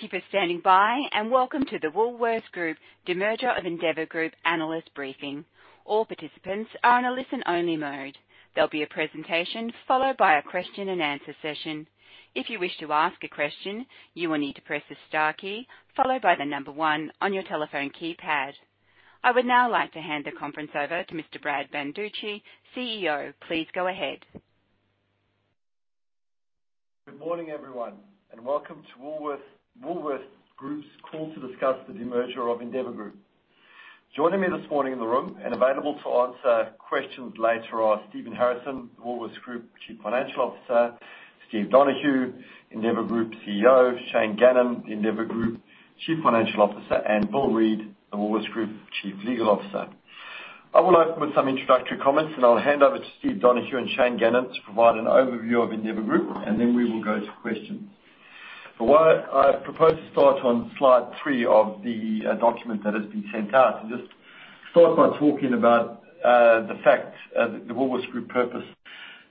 Thank you for standing by, and welcome to the Woolworths Group demerger of Endeavour Group Analyst Briefing. All participants are in a listen-only mode. There'll be a presentation followed by a question-and-answer session. If you wish to ask a question, you will need to press the star key followed by the number one on your telephone keypad. I would now like to hand the conference over to Mr. Brad Banducci, CEO. Please go ahead. Good morning, everyone, and welcome to Woolworths Group's call to discuss the demerger of Endeavour Group. Joining me this morning in the room and available to answer questions later are Stephen Harrison, Woolworths Group Chief Financial Officer, Steve Donohue, Endeavour Group CEO, Shane Gannon, the Endeavour Group Chief Financial Officer, and Bill Reid, the Woolworths Group Chief Legal Officer. I will open with some introductory comments, and I'll hand over to Steve Donohue and Shane Gannon to provide an overview of Endeavour Group, and then we will go to questions. But what I propose to start on slide three of the document that has been sent out and just start by talking about the fact of the Woolworths Group purpose.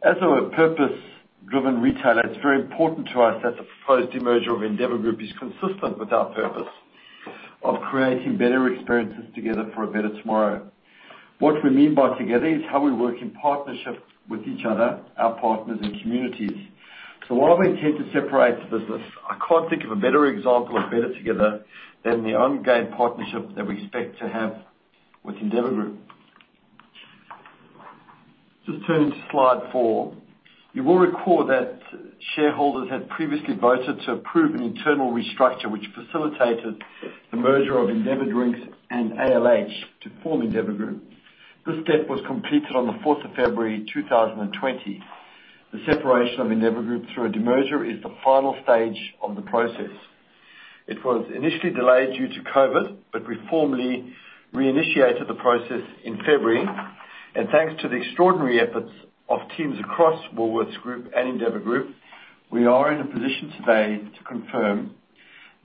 As a purpose-driven retailer, it's very important to us that the proposed demerger of Endeavour Group is consistent with our purpose of creating better experiences together for a better tomorrow. What we mean by together is how we work in partnership with each other, our partners, and communities. So while we intend to separate the business, I can't think of a better example of better together than the ongoing partnership that we expect to have with Endeavour Group. Just turning to slide four. You will recall that shareholders had previously voted to approve an internal restructure, which facilitated the merger of Endeavour Drinks and ALH to form Endeavour Group. This step was completed on the fourth of February, two thousand and twenty. The separation of Endeavour Group through a demerger is the final stage of the process. It was initially delayed due to COVID, but we formally reinitiated the process in February, and thanks to the extraordinary efforts of teams across Woolworths Group and Endeavour Group, we are in a position today to confirm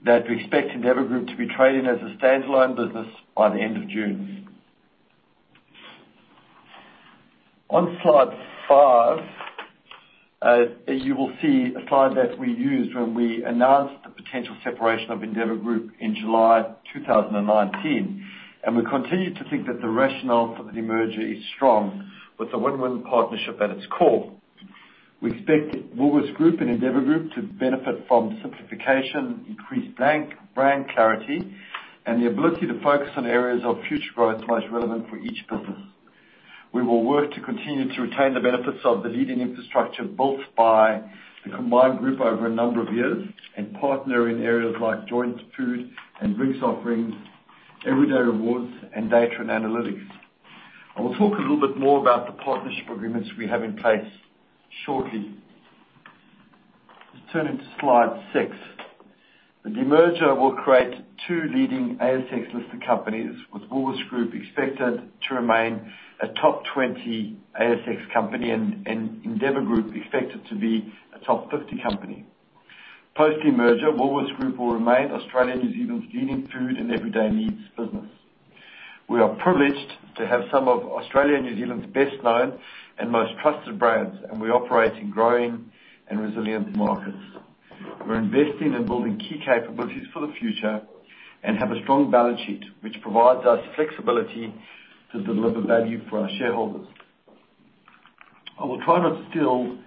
that we expect Endeavour Group to be trading as a standalone business by the end of June. On slide five, you will see a slide that we used when we announced the potential separation of Endeavour Group in July 2019, and we continue to think that the rationale for the demerger is strong, with a win-win partnership at its core. We expect Woolworths Group and Endeavour Group to benefit from simplification, increased brand, brand clarity, and the ability to focus on areas of future growth most relevant for each business. We will work to continue to retain the benefits of the leading infrastructure built by the combined group over a number of years and partner in areas like joint food and drinks offerings, Everyday Rewards, and data and analytics. I will talk a little bit more about the partnership agreements we have in place shortly. Just turning to slide six. The demerger will create two leading ASX-listed companies, with Woolworths Group expected to remain a top twenty ASX company and Endeavour Group expected to be a top fifty company. Post demerger, Woolworths Group will remain Australia and New Zealand's leading food and everyday needs business. We are privileged to have some of Australia and New Zealand's best-known and most trusted brands, and we operate in growing and resilient markets. We're investing in building key capabilities for the future and have a strong balance sheet, which provides us flexibility to deliver value for our shareholders. I will try not to steal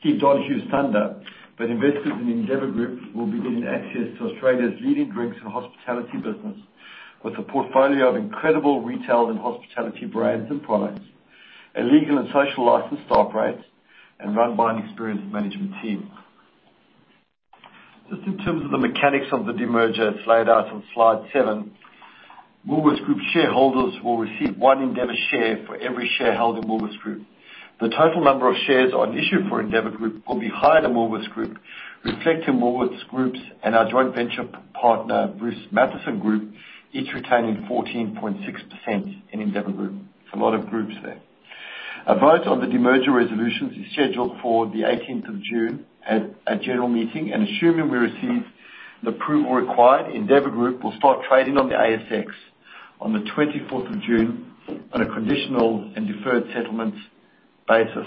Steve Donohue's thunder, but investors in Endeavour Group will be getting access to Australia's leading drinks and hospitality business, with a portfolio of incredible retail and hospitality brands and products, a legal and social license to operate and run by an experienced management team. Just in terms of the mechanics of the demerger, it's laid out on slide seven. Woolworths Group shareholders will receive one Endeavour share for every share held in Woolworths Group. The total number of shares on issue for Endeavour Group will be higher than Woolworths Group, reflecting Woolworths Group's and our joint venture partner, Bruce Mathieson Group, each retaining 14.6% in Endeavour Group. It's a lot of groups there. A vote on the demerger resolutions is scheduled for the eighteenth of June at a general meeting, and assuming we receive the approval required, Endeavour Group will start trading on the ASX on the twenty-fourth of June on a conditional and deferred settlement basis.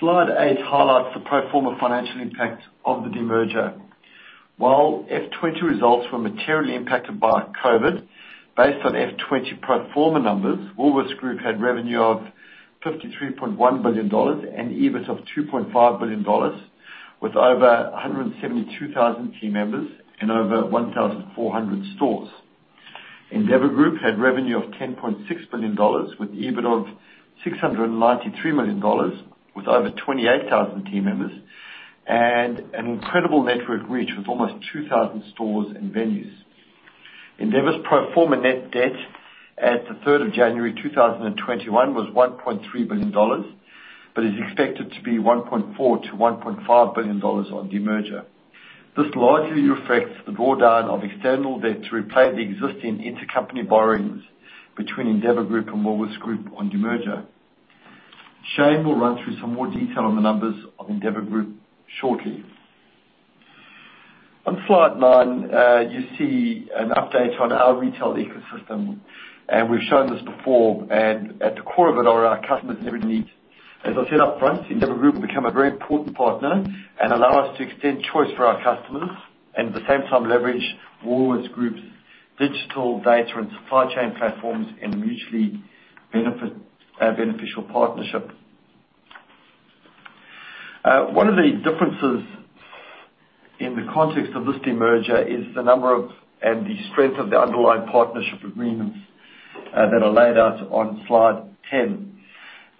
Slide 8 highlights the pro forma financial impact of the demerger. While F20 results were materially impacted by COVID, based on F20 pro forma numbers, Woolworths Group had revenue of 53.1 billion dollars and EBIT of 2.5 billion dollars, with over 172,000 team members and over 1,400 stores. Endeavour Group had revenue of 10.6 billion dollars, with EBIT of 693 million dollars, with over 28,000 team members and an incredible network reach, with almost 2,000 stores and venues. Endeavour's pro forma net debt at the third of January 2021 was 1.3 billion dollars, but is expected to be 1.4 billion-1.5 billion dollars on demerger. This largely reflects the drawdown of external debt to repay the existing intercompany borrowings between Endeavour Group and Woolworths Group on demerger. Shane will run through some more detail on the numbers of Endeavour Group shortly. On slide nine, you see an update on our retail ecosystem, and we've shown this before, and at the core of it are our customers' everyday needs.... As I said up front, Endeavour Group become a very important partner and allow us to extend choice for our customers, and at the same time, leverage Woolworths Group's digital data and supply chain platforms in a mutually benefit, beneficial partnership. One of the differences in the context of this demerger is the number of, and the strength of the underlying partnership agreements, that are laid out on Slide 10,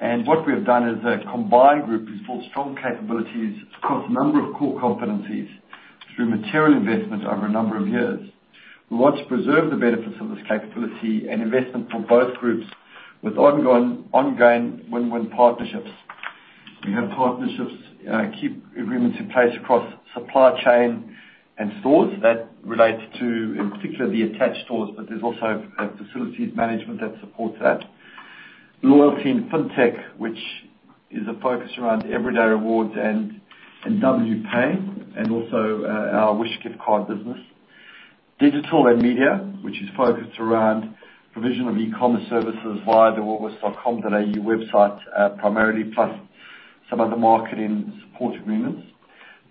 and what we have done as a combined group is build strong capabilities across a number of core competencies through material investment over a number of years. We want to preserve the benefits of this capability and investment for both groups with ongoing win-win partnerships. We have partnerships, key agreements in place across supply chain and stores that relates to, in particular, the attached stores, but there's also a facilities management that supports that. Loyalty in Fintech, which is a focus around Everyday Rewards and WPay, and also our Wish Gift Card business. Digital and media, which is focused around provision of e-commerce services via the woolworths.com.au website, primarily, plus some other marketing support agreements.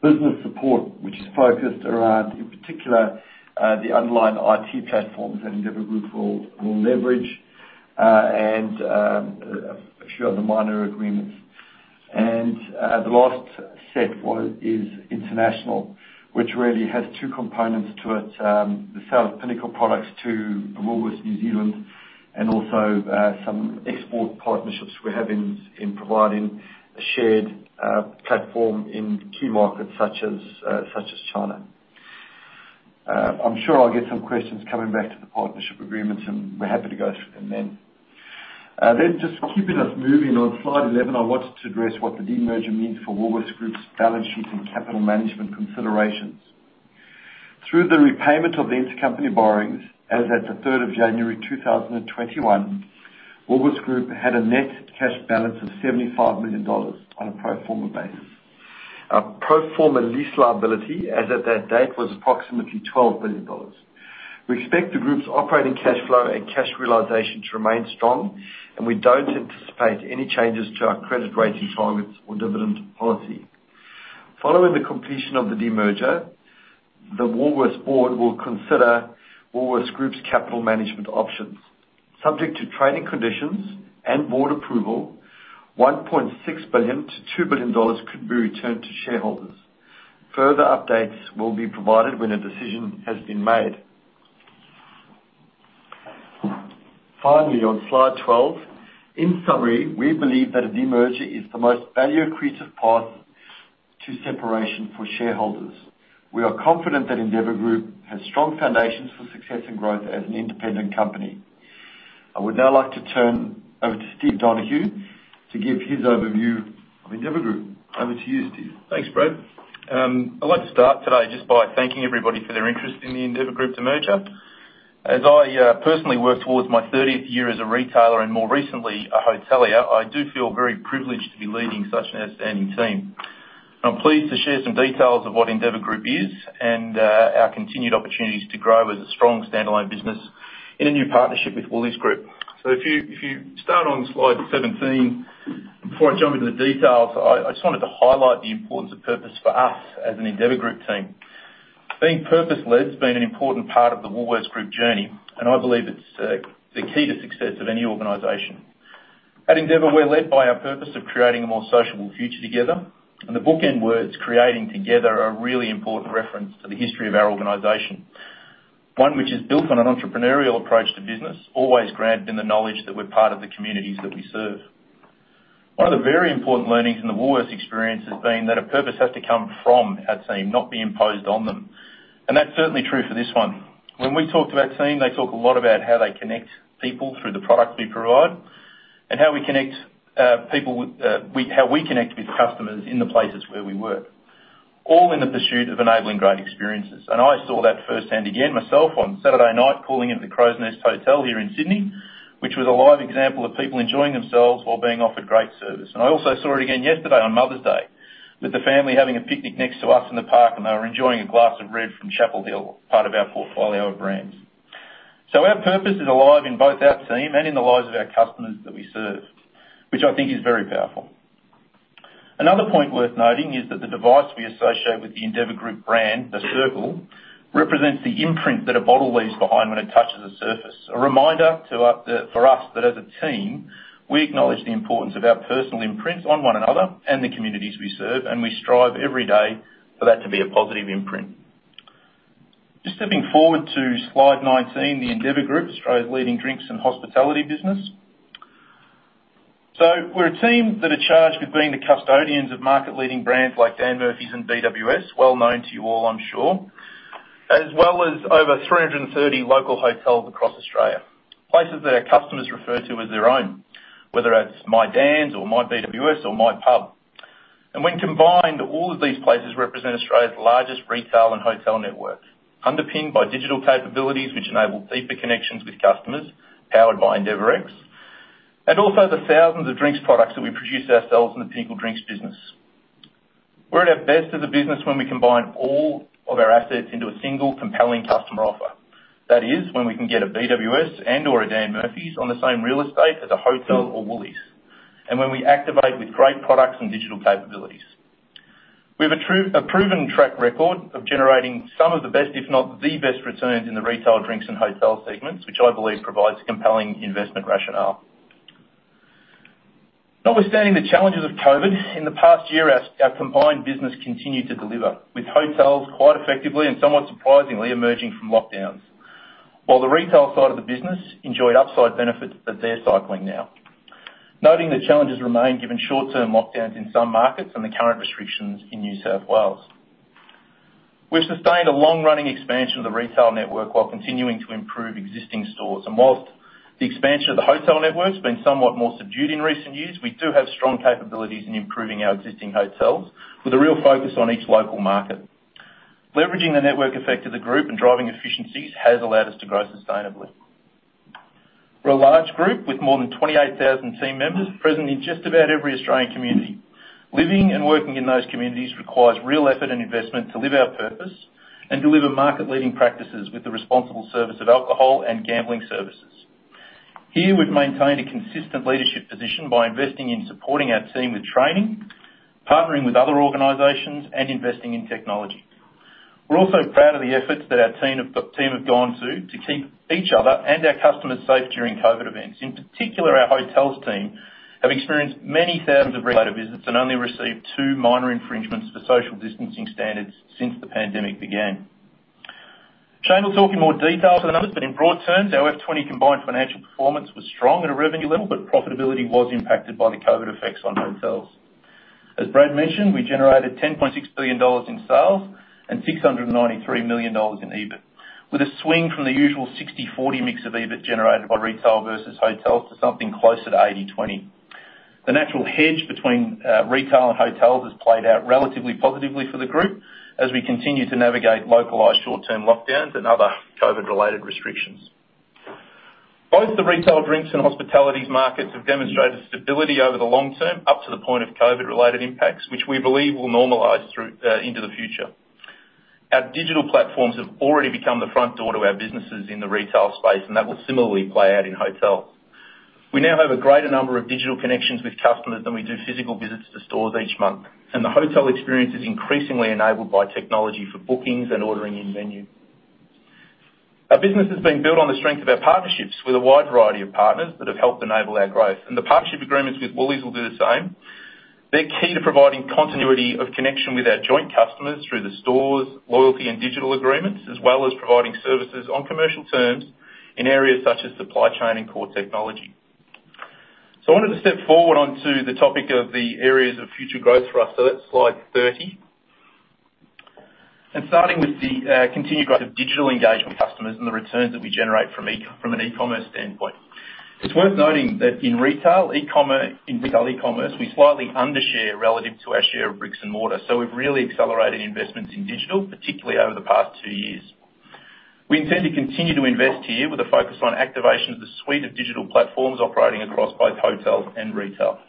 Business support, which is focused around, in particular, the underlying IT platforms that Endeavour Group will leverage, and a few other minor agreements. And, the last set is international, which really has two components to it. The sale of Pinnacle products to Woolworths New Zealand, and also, some export partnerships we have in providing a shared platform in key markets such as China. I'm sure I'll get some questions coming back to the partnership agreements, and we're happy to go through them then. Then just keeping us moving, on Slide 11, I wanted to address what the demerger means for Woolworths Group's balance sheet and capital management considerations. Through the repayment of the intercompany borrowings, as at the third of January, two thousand and twenty-one, Woolworths Group had a net cash balance of 75 million dollars on a pro forma basis. Our pro forma lease liability as at that date was approximately 12 billion dollars. We expect the group's operating cash flow and cash realization to remain strong, and we don't anticipate any changes to our credit rating targets or dividend policy. Following the completion of the demerger, the Woolworths board will consider Woolworths Group's capital management options. Subject to trading conditions and board approval, 1.6 billion-2 billion dollars could be returned to shareholders. Further updates will be provided when a decision has been made. Finally, on Slide 12, in summary, we believe that a demerger is the most value-accretive path to separation for shareholders. We are confident that Endeavour Group has strong foundations for success and growth as an independent company. I would now like to turn over to Steve Donohue, to give his overview of Endeavour Group. Over to you, Steve. Thanks, Brad. I'd like to start today just by thanking everybody for their interest in the Endeavour Group demerger. As I personally work towards my thirtieth year as a retailer and more recently, a hotelier, I do feel very privileged to be leading such an outstanding team. I'm pleased to share some details of what Endeavour Group is, and our continued opportunities to grow as a strong standalone business in a new partnership with Woolies Group. If you start on Slide 17, before I jump into the details, I just wanted to highlight the importance of purpose for us as an Endeavour Group team. Being purpose-led has been an important part of the Woolworths Group journey, and I believe it's the key to success of any organization. At Endeavour, we're led by our purpose of creating a more sociable future together, and the bookend words, "creating together" are a really important reference to the history of our organization. One which is built on an entrepreneurial approach to business, always grounded in the knowledge that we're part of the communities that we serve. One of the very important learnings in the Woolworths experience has been that a purpose has to come from our team, not be imposed on them, and that's certainly true for this one. When we talk to our team, they talk a lot about how they connect people through the products we provide, and how we connect people with how we connect with customers in the places where we work, all in the pursuit of enabling great experiences. And I saw that firsthand again myself on Saturday night, pulling into the Crows Nest Hotel here in Sydney, which was a live example of people enjoying themselves while being offered great service. And I also saw it again yesterday on Mother's Day, with the family having a picnic next to us in the park, and they were enjoying a glass of red from Chapel Hill, part of our portfolio of brands. So our purpose is alive in both our team and in the lives of our customers that we serve, which I think is very powerful. Another point worth noting is that the device we associate with the Endeavour Group brand, the circle, represents the imprint that a bottle leaves behind when it touches a surface. A reminder to us, for us, that as a team, we acknowledge the importance of our personal imprint on one another and the communities we serve, and we strive every day for that to be a positive imprint. Just stepping forward to Slide nineteen, the Endeavour Group, Australia's leading drinks and hospitality business. So we're a team that are charged with being the custodians of market-leading brands like Dan Murphy's and BWS, well known to you all, I'm sure, as well as over three hundred and thirty local hotels across Australia. Places that our customers refer to as their own, whether it's My Dan's or My BWS or My Pub. When combined, all of these places represent Australia's largest retail and hotel network, underpinned by digital capabilities, which enable deeper connections with customers powered by Endeavor X, and also the thousands of drinks products that we produce ourselves in the Pinnacle Drinks business. We're at our best as a business when we combine all of our assets into a single compelling customer offer. That is, when we can get a BWS and/or a Dan Murphy's on the same real estate as a hotel or Woolies, and when we activate with great products and digital capabilities. We have a true, proven track record of generating some of the best, if not the best, returns in the retail, drinks, and hotel segments, which I believe provides a compelling investment rationale. Notwithstanding the challenges of COVID, in the past year, our combined business continued to deliver, with hotels quite effectively and somewhat surprisingly, emerging from lockdowns. While the retail side of the business enjoyed upside benefits, but they're cycling now. Noting that challenges remain given short-term lockdowns in some markets and the current restrictions in New South Wales. We've sustained a long-running expansion of the retail network while continuing to improve existing stores, and while the expansion of the hotel network has been somewhat more subdued in recent years, we do have strong capabilities in improving our existing hotels, with a real focus on each local market. Leveraging the network effect of the group and driving efficiencies has allowed us to grow sustainably. We're a large group with more than twenty-eight thousand team members, present in just about every Australian community. Living and working in those communities requires real effort and investment to live our purpose and deliver market-leading practices with the responsible service of alcohol and gambling services. Here, we've maintained a consistent leadership position by investing in supporting our team with training, partnering with other organizations, and investing in technology. We're also proud of the efforts that our team have gone to, to keep each other and our customers safe during COVID events. In particular, our hotels team have experienced many thousands of regulated visits and only received two minor infringements for social distancing standards since the pandemic began. Shane will talk in more detail for the numbers, but in broad terms, our FY20 combined financial performance was strong at a revenue level, but profitability was impacted by the COVID effects on hotels. As Brad mentioned, we generated 10.6 billion dollars in sales and 693 million dollars in EBIT, with a swing from the usual 60/40 mix of EBIT generated by retail versus hotels to something closer to 80/20. The natural hedge between retail and hotels has played out relatively positively for the group, as we continue to navigate localized short-term lockdowns and other COVID-related restrictions. Both the retail drinks and hospitality markets have demonstrated stability over the long term, up to the point of COVID-related impacts, which we believe will normalize through into the future. Our digital platforms have already become the front door to our businesses in the retail space, and that will similarly play out in hotels. We now have a greater number of digital connections with customers than we do physical visits to stores each month, and the hotel experience is increasingly enabled by technology for bookings and ordering in-venue. Our business has been built on the strength of our partnerships with a wide variety of partners that have helped enable our growth, and the partnership agreements with Woolies will do the same. They're key to providing continuity of connection with our joint customers through the stores, loyalty, and digital agreements, as well as providing services on commercial terms in areas such as supply chain and core technology. So I wanted to step forward onto the topic of the areas of future growth for us. So that's slide thirty. And starting with the continued growth of digital engagement with customers and the returns that we generate from an e-commerce standpoint. It's worth noting that in retail, e-commerce, in retail e-commerce, we slightly under-share relative to our share of bricks and mortar, so we've really accelerated investments in digital, particularly over the past two years. We intend to continue to invest here with a focus on activation of the suite of digital platforms operating across both hotels and retail.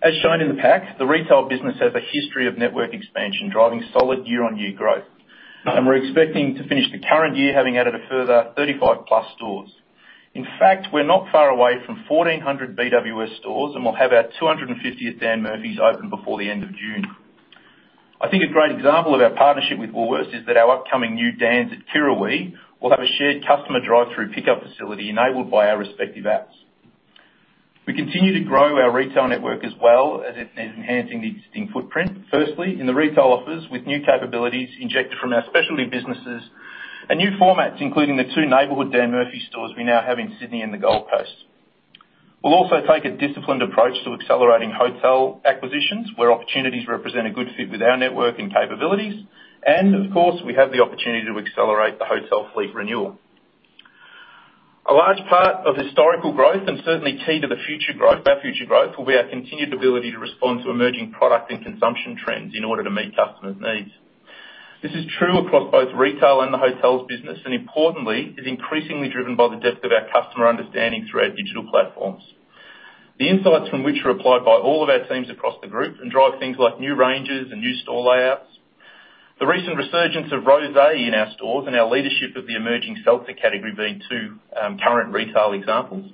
As shown in the pack, the retail business has a history of network expansion, driving solid year-on-year growth, and we're expecting to finish the current year having added a further 35+ stores. In fact, we're not far away from 1,400 BWS stores, and we'll have our 250th Dan Murphy's open before the end of June. I think a great example of our partnership with Woolworths is that our upcoming new Dan's at Kirrawee will have a shared customer drive-through pickup facility enabled by our respective apps. We continue to grow our retail network as well as it is enhancing the existing footprint. Firstly, in the retail office, with new capabilities injected from our specialty businesses and new formats, including the two neighborhood Dan Murphy's stores we now have in Sydney and the Gold Coast. We'll also take a disciplined approach to accelerating hotel acquisitions, where opportunities represent a good fit with our network and capabilities, and of course, we have the opportunity to accelerate the hotel fleet renewal. A large part of historical growth, and certainly key to the future growth, our future growth, will be our continued ability to respond to emerging product and consumption trends in order to meet customers' needs. This is true across both retail and the hotels business, and importantly, is increasingly driven by the depth of our customer understanding through our digital platforms. The insights from which are applied by all of our teams across the group and drive things like new ranges and new store layouts. The recent resurgence of rosé in our stores and our leadership of the emerging seltzer category being two, current retail examples.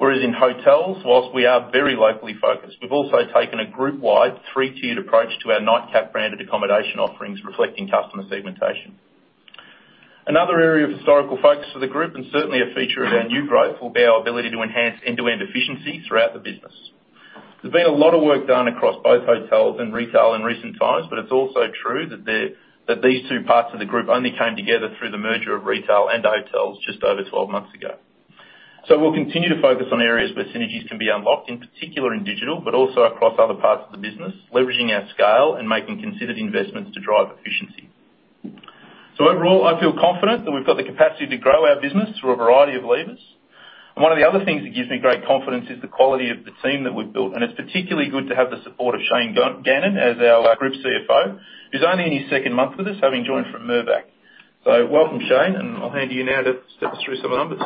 Whereas in hotels, whilst we are very locally focused, we've also taken a group-wide, three-tiered approach to our Nightcap branded accommodation offerings, reflecting customer segmentation. Another area of historical focus for the group, and certainly a feature of our new growth, will be our ability to enhance end-to-end efficiency throughout the business. There's been a lot of work done across both hotels and retail in recent times, but it's also true that these two parts of the group only came together through the merger of retail and hotels just over twelve months ago. So we'll continue to focus on areas where synergies can be unlocked, in particular in digital, but also across other parts of the business, leveraging our scale and making considered investments to drive efficiency. So overall, I feel confident that we've got the capacity to grow our business through a variety of levers. And one of the other things that gives me great confidence is the quality of the team that we've built, and it's particularly good to have the support of Shane Gannon as our group CFO, who's only in his second month with us, having joined from Mirvac. So welcome, Shane, and I'll hand you now to step us through some numbers. ...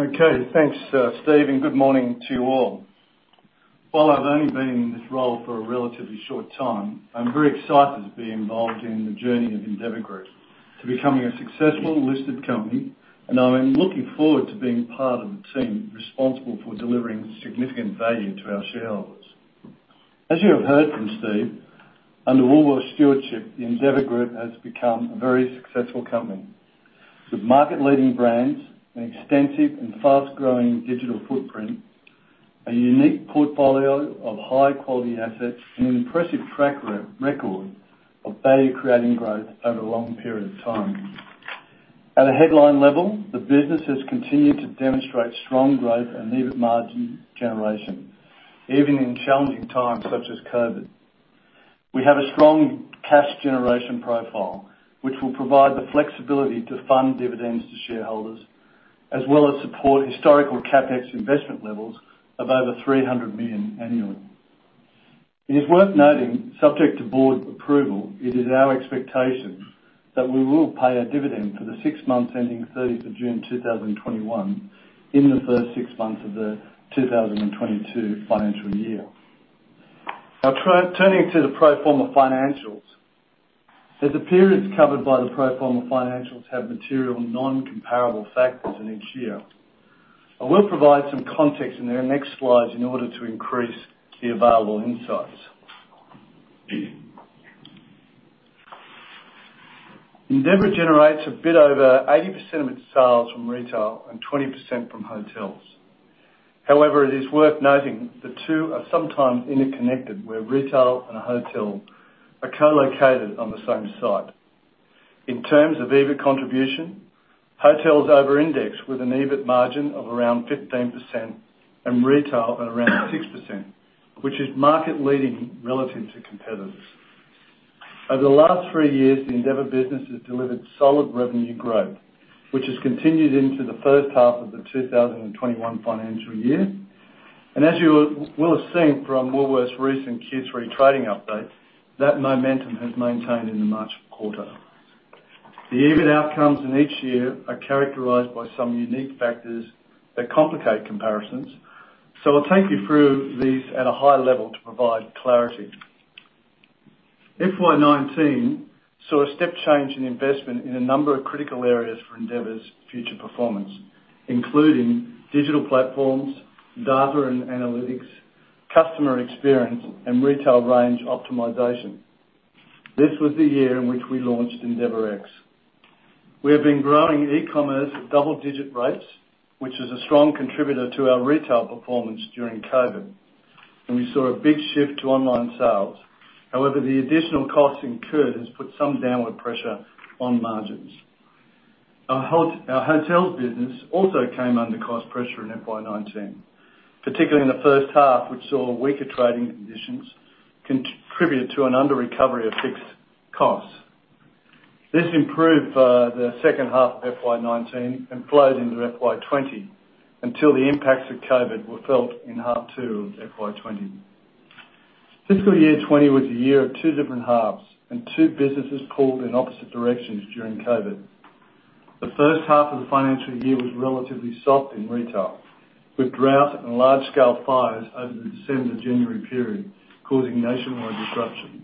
Okay, thanks, Steve, and good morning to you all. While I've only been in this role for a relatively short time, I'm very excited to be involved in the journey of Endeavour Group to becoming a successful listed company, and I'm looking forward to being part of the team responsible for delivering significant value to our shareholders. As you have heard from Steve, under Woolworths stewardship, the Endeavour Group has become a very successful company with market-leading brands, an extensive and fast-growing digital footprint, a unique portfolio of high-quality assets, and an impressive track record of value-creating growth over a long period of time. At a headline level, the business has continued to demonstrate strong growth and EBIT margin generation, even in challenging times such as COVID. We have a strong cash generation profile, which will provide the flexibility to fund dividends to shareholders, as well as support historical CapEx investment levels of over 300 million annually. It is worth noting, subject to board approval, it is our expectation that we will pay a dividend for the six months ending thirtieth of June 2021, in the first six months of the 2022 financial year. Now, turning to the pro forma financials. As the periods covered by the pro forma financials have material non-comparable factors in each year, I will provide some context in the next slides in order to increase the available insights. Endeavour generates a bit over 80% of its sales from retail and 20% from hotels. However, it is worth noting, the two are sometimes interconnected, where retail and a hotel are co-located on the same site. In terms of EBIT contribution, hotels over-index with an EBIT margin of around 15% and retail at around 6%, which is market leading relative to competitors. Over the last three years, the Endeavour business has delivered solid revenue growth, which has continued into the H1 of the 2021 financial year, and as you will have seen from Woolworths' recent Q3 trading update, that momentum has maintained in the March quarter. The EBIT outcomes in each year are characterized by some unique factors that complicate comparisons, so I'll take you through these at a high level to provide clarity. FY 2019 saw a step change in investment in a number of critical areas for Endeavour's future performance, including digital platforms, data and analytics, customer experience, and retail range optimization. This was the year in which we launched EndeavourX. We have been growing e-commerce at double-digit rates, which is a strong contributor to our retail performance during COVID, and we saw a big shift to online sales. However, the additional costs incurred has put some downward pressure on margins. Our hotels business also came under cost pressure in FY 2019, particularly in the H1, which saw weaker trading conditions contributed to an underrecovery of fixed costs. This improved the H2 of FY 2019 and flowed into FY 2020, until the impacts of COVID were felt in half two of FY 2020. Fiscal year 2020 was a year of two different halves, and two businesses pulled in opposite directions during COVID. The H1 of the financial year was relatively soft in retail, with drought and large-scale fires over the December to January period, causing nationwide disruption.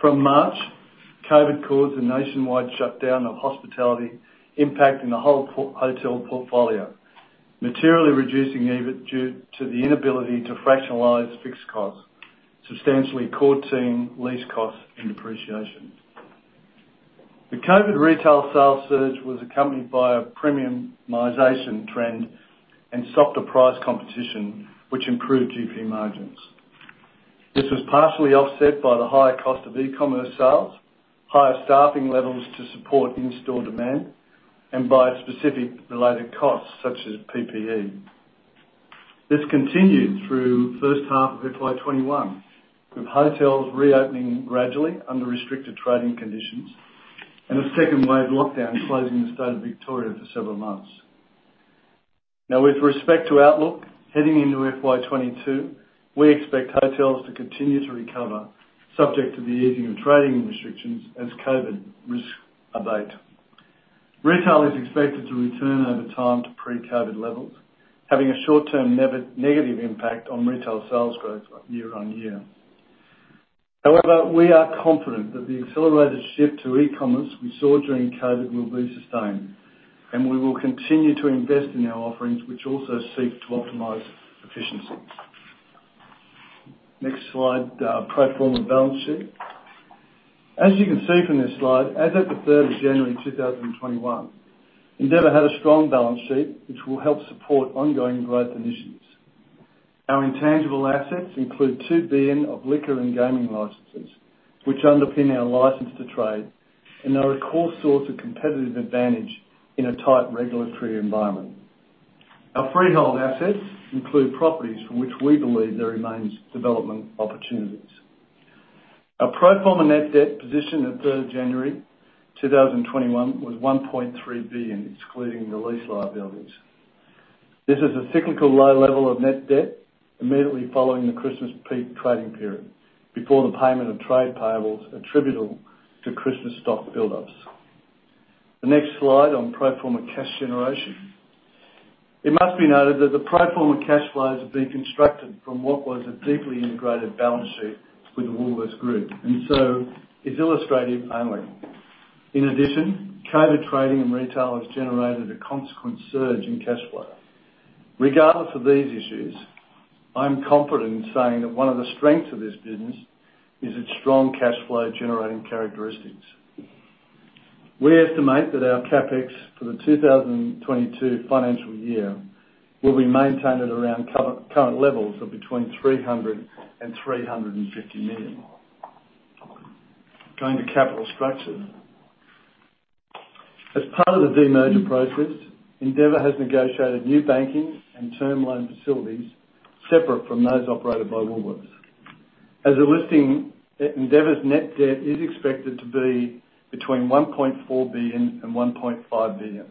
From March, COVID caused a nationwide shutdown of hospitality, impacting the whole hotel portfolio, materially reducing EBIT due to the inability to leverage fixed costs, substantially incurring lease costs and depreciation. The COVID retail sales surge was accompanied by a premiumization trend and softer price competition, which improved GP margins. This was partially offset by the higher cost of e-commerce sales, higher staffing levels to support in-store demand, and by specific related costs, such as PPE. This continued through the H1 of FY twenty-one, with hotels reopening gradually under restricted trading conditions and a second wave lockdown closing the state of Victoria for several months. Now, with respect to outlook, heading into FY twenty-two, we expect hotels to continue to recover, subject to the easing of trading restrictions as COVID risk abate. Retail is expected to return over time to pre-COVID levels, having a short-term negative impact on retail sales growth year on year. However, we are confident that the accelerated shift to e-commerce we saw during COVID will be sustained, and we will continue to invest in our offerings, which also seek to optimize efficiency. Next slide, pro forma balance sheet. As you can see from this slide, as at the third of January, two thousand and twenty-one, Endeavour had a strong balance sheet, which will help support ongoing growth initiatives. Our intangible assets include 2 billion of liquor and gaming licenses, which underpin our license to trade and are a core source of competitive advantage in a tight regulatory environment. Our freehold assets include properties from which we believe there remains development opportunities. Our pro forma net debt position at 3rd January 2021 was 1.3 billion, excluding the lease liabilities. This is a cyclical low level of net debt immediately following the Christmas peak trading period, before the payment of trade payables attributable to Christmas stock buildups. The next slide on pro forma cash generation. It must be noted that the pro forma cash flows have been constructed from what was a deeply integrated balance sheet with the Woolworths Group, and so is illustrative only. In addition, COVID trading and retail has generated a consequent surge in cash flow. Regardless of these issues, I'm confident in saying that one of the strengths of this business is its strong cash flow generating characteristics. We estimate that our CapEx for the two thousand and twenty-two financial year will be maintained at around current levels of between 300 million and 350 million. Going to capital structure. As part of the demerger process, Endeavour has negotiated new banking and term loan facilities separate from those operated by Woolworths. As a listing, Endeavour's net debt is expected to be between 1.4 billion and 1.5 billion,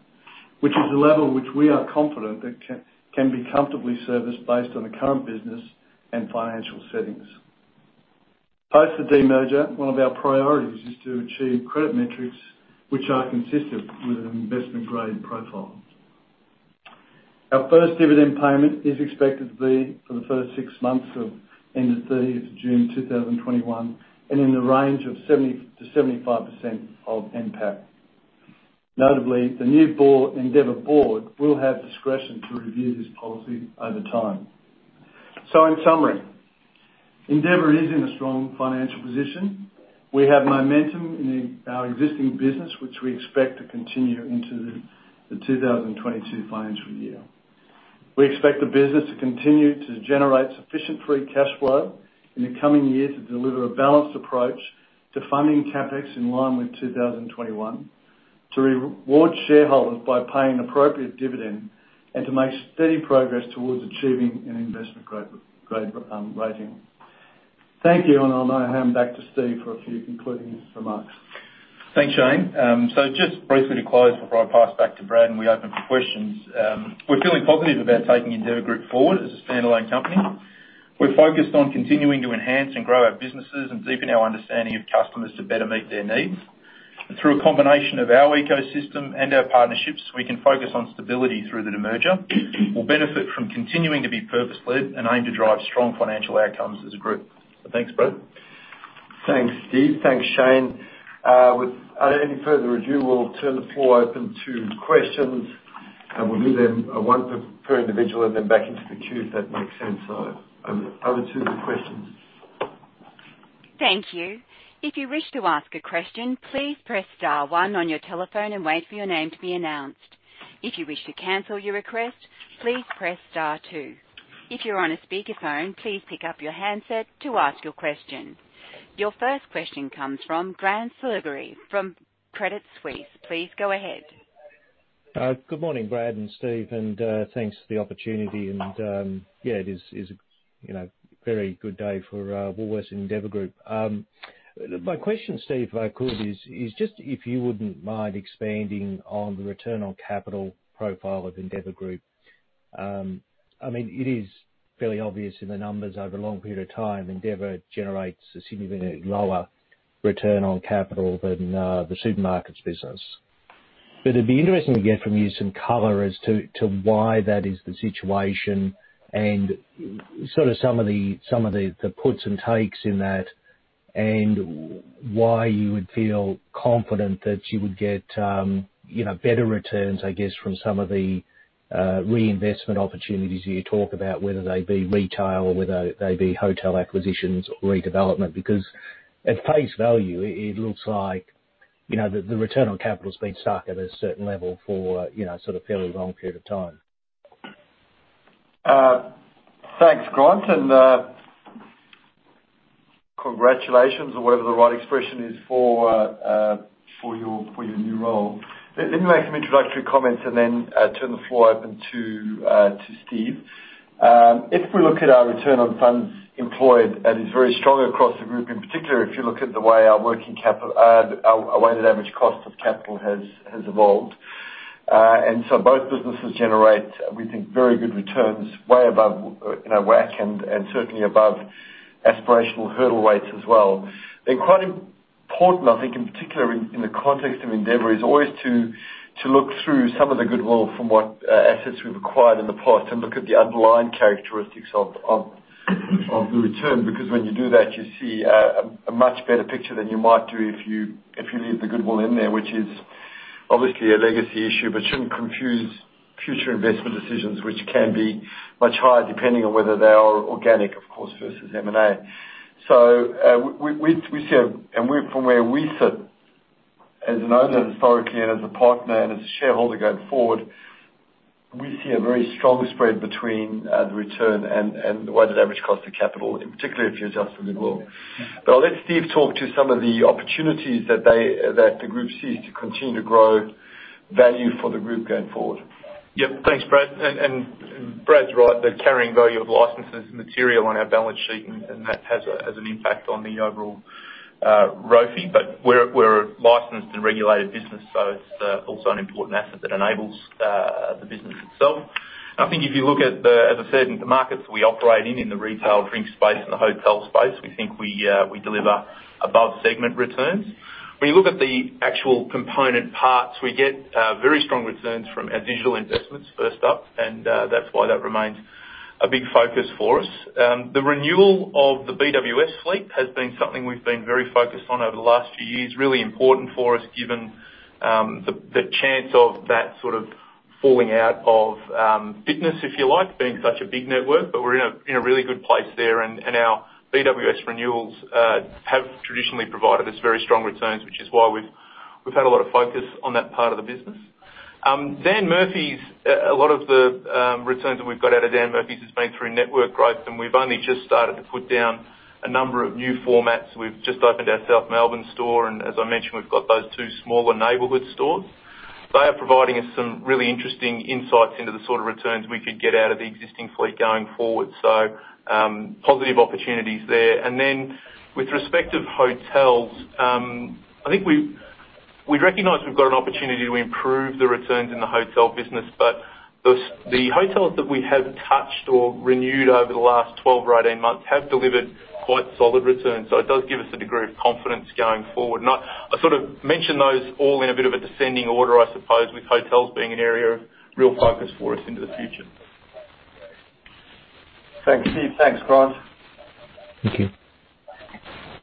which is a level which we are confident that can be comfortably serviced based on the current business and financial settings. Post the demerger, one of our priorities is to achieve credit metrics which are consistent with an investment grade profile. Our first dividend payment is expected to be for the first six months ending thirtieth of June 2021, and in the range of 70%-75% of NPAT. Notably, the new board, Endeavour board will have discretion to review this policy over time. So in summary, Endeavour is in a strong financial position. We have momentum in our existing business, which we expect to continue into the 2022 financial year. We expect the business to continue to generate sufficient free cash flow in the coming years to deliver a balanced approach to funding CapEx in line with 2021, to reward shareholders by paying appropriate dividend, and to make steady progress towards achieving an investment grade rating. Thank you, and I'll now hand back to Steve for a few concluding remarks. Thanks, Shane. So just briefly to close before I pass back to Brad, and we open for questions. We're feeling positive about taking Endeavour Group forward as a standalone company. We're focused on continuing to enhance and grow our businesses and deepen our understanding of customers to better meet their needs. Through a combination of our ecosystem and our partnerships, we can focus on stability through the demerger. We'll benefit from continuing to be purpose-led and aim to drive strong financial outcomes as a group. So thanks, Brad. Thanks, Steve. Thanks, Shane. Without any further ado, we'll open the floor to questions, and we'll do them one per individual and then back into the queue, if that makes sense. So over to the questions. Thank you. If you wish to ask a question, please press star one on your telephone and wait for your name to be announced. If you wish to cancel your request, please press star two. If you're on a speakerphone, please pick up your handset to ask your question. Your first question comes from Grant Saligari from Credit Suisse. Please go ahead. Good morning, Brad and Steve, and thanks for the opportunity. It is a you know very good day for Woolworths and Endeavour Group. My question, Steve, is just if you wouldn't mind expanding on the return on capital profile of Endeavour Group. I mean, it is fairly obvious in the numbers over a long period of time, Endeavour generates a significantly lower return on capital than the supermarkets business. But it'd be interesting to get from you some color as to why that is the situation and sort of some of the puts and takes in that, and why you would feel confident that you would get, you know, better returns, I guess, from some of the reinvestment opportunities you talk about, whether they be retail or whether they be hotel acquisitions or redevelopment. Because at face value, it looks like, you know, the return on capital's been stuck at a certain level for, you know, sort of fairly long period of time. Thanks, Grant, and congratulations or whatever the right expression is for your new role. Let me make some introductory comments and then turn the floor open to Steve. If we look at our return on funds employed, that is very strong across the group, in particular, if you look at the way our working capital, our weighted average cost of capital has evolved. And so both businesses generate, we think, very good returns, way above, you know, WACC, and certainly above aspirational hurdle rates as well. And quite important, I think, in particular in the context of Endeavour, is always to look through some of the goodwill from what assets we've acquired in the past, and look at the underlying characteristics of the return, because when you do that, you see a much better picture than you might do if you leave the goodwill in there, which is obviously a legacy issue, but shouldn't confuse future investment decisions, which can be much higher, depending on whether they are organic, of course, versus M&A. So, we see. And we, from where we sit, as an owner historically and as a partner and as a shareholder going forward, see a very strong spread between the return and the weighted average cost of capital, and particularly if you adjust for goodwill. But I'll let Steve talk to some of the opportunities that the group sees to continue to grow value for the group going forward. Yep. Thanks, Brad. And Brad's right, the carrying value of licenses is material on our balance sheet, and that has an impact on the overall ROFE, but we're a licensed and regulated business, so it's also an important asset that enables the business itself. I think if you look at the, as I said, the markets we operate in, in the retail drink space and the hotel space, we think we deliver above segment returns. When you look at the actual component parts, we get very strong returns from our digital investments, first up, and that's why that remains a big focus for us. The renewal of the BWS fleet has been something we've been very focused on over the last few years, really important for us, given the chance of that sort of falling out of fitness, if you like, being such a big network. But we're in a really good place there, and our BWS renewals have traditionally provided us very strong returns, which is why we've had a lot of focus on that part of the business. Dan Murphy's, a lot of the returns that we've got out of Dan Murphy's has been through network growth, and we've only just started to put down a number of new formats. We've just opened our South Melbourne store, and as I mentioned, we've got those two smaller neighborhood stores. They are providing us some really interesting insights into the sort of returns we could get out of the existing fleet going forward. So, positive opportunities there. And then, with respect to hotels, I think we recognize we've got an opportunity to improve the returns in the hotel business, but the hotels that we have touched or renewed over the last twelve or eighteen months have delivered quite solid returns. So it does give us a degree of confidence going forward. And I sort of mentioned those all in a bit of a descending order, I suppose, with hotels being an area of real focus for us into the future. Thanks, Steve. Thanks, Grant. Thank you.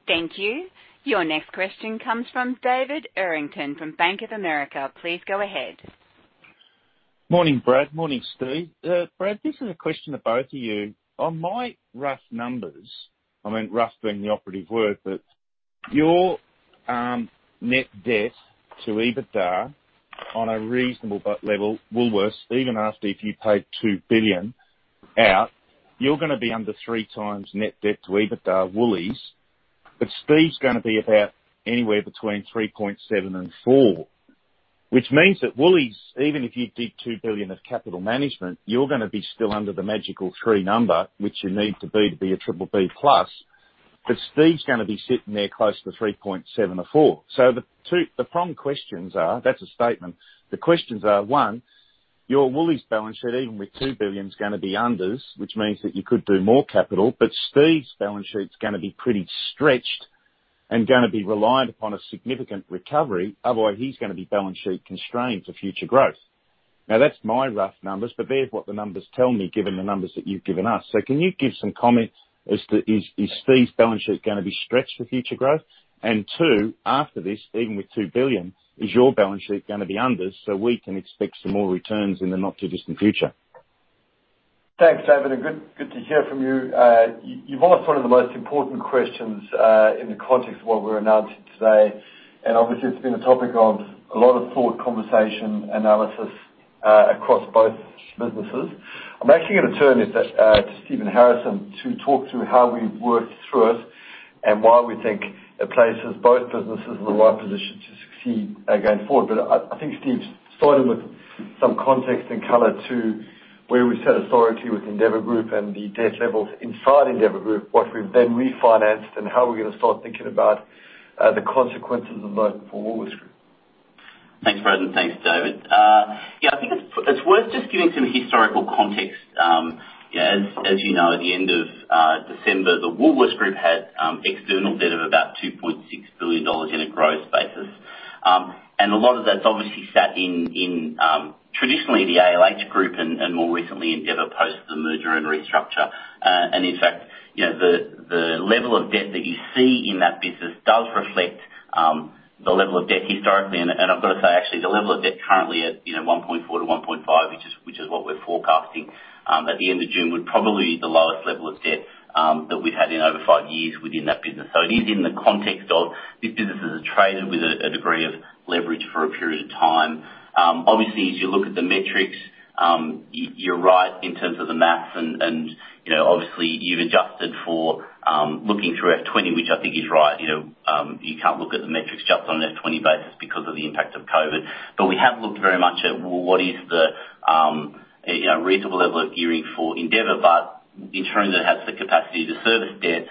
Thank you. Your next question comes from David Errington from Bank of America. Please go ahead. Morning, Brad. Morning, Steve. Brad, this is a question to both of you. On my rough numbers, I mean, rough being the operative word, but your net debt to EBITDA on a reasonable b- level, Woolworths, even after if you paid 2 billion out, you're gonna be under three times net debt to EBITDA Woolies, but Steve's gonna be about anywhere between three point seven and four, which means that Woolies, even if you did 2 billion of capital management, you're gonna be still under the magical three number, which you need to be to be a triple B plus. But Steve's gonna be sitting there close to three point seven or four. So the two- the problem questions are... That's a statement. The questions are, one, your Woolies balance sheet, even with 2 billion, is gonna be under, which means that you could do more capital, but Steve's balance sheet's gonna be pretty stretched and gonna be reliant upon a significant recovery, otherwise he's gonna be balance sheet constrained for future growth. Now, that's my rough numbers, but that's what the numbers tell me, given the numbers that you've given us. So can you give some comment as to is Steve's balance sheet gonna be stretched for future growth? And two, after this, even with 2 billion, is your balance sheet gonna be under so we can expect some more returns in the not-too-distant future? Thanks, David, and good, good to hear from you. You've asked one of the most important questions, in the context of what we've announced today, and obviously it's been a topic of a lot of thought, conversation, analysis, across both businesses. I'm actually gonna turn it over to Stephen Harrison to talk through how we've worked through it and why we think it places both businesses in the right position to succeed, going forward. But I think Steve started with some context and color to where we set historically with Endeavour Group and the debt levels inside Endeavour Group, what we've then refinanced, and how we're gonna start thinking about, the consequences of both for Woolworths Group. Thanks, Brad, and thanks, David. Yeah, I think it's worth just giving some historical context. You know, as you know, at the end of December, the Woolworths Group had external debt of about 2.6 billion dollars on a gross basis. And a lot of that's obviously sat in traditionally the ALH Group and more recently, Endeavour, post the merger and restructure. And in fact, you know, the level of debt that you see in that business does reflect the level of debt historically. I've got to say, actually, the level of debt currently at, you know, 1.4-1.5, which is what we're forecasting at the end of June, would probably be the lowest level of debt that we've had in over five years within that business. So it is in the context of this business is a trader with a degree of leverage for a period of time. Obviously, as you look at the metrics, you're right in terms of the math and, you know, obviously, you've adjusted for looking through F20, which I think is right. You know, you can't look at the metrics just on an F20 basis because of the impact of COVID. But we have looked very much at well, what is the, you know, reasonable level of gearing for Endeavour, but ensuring that it has the capacity to service debt,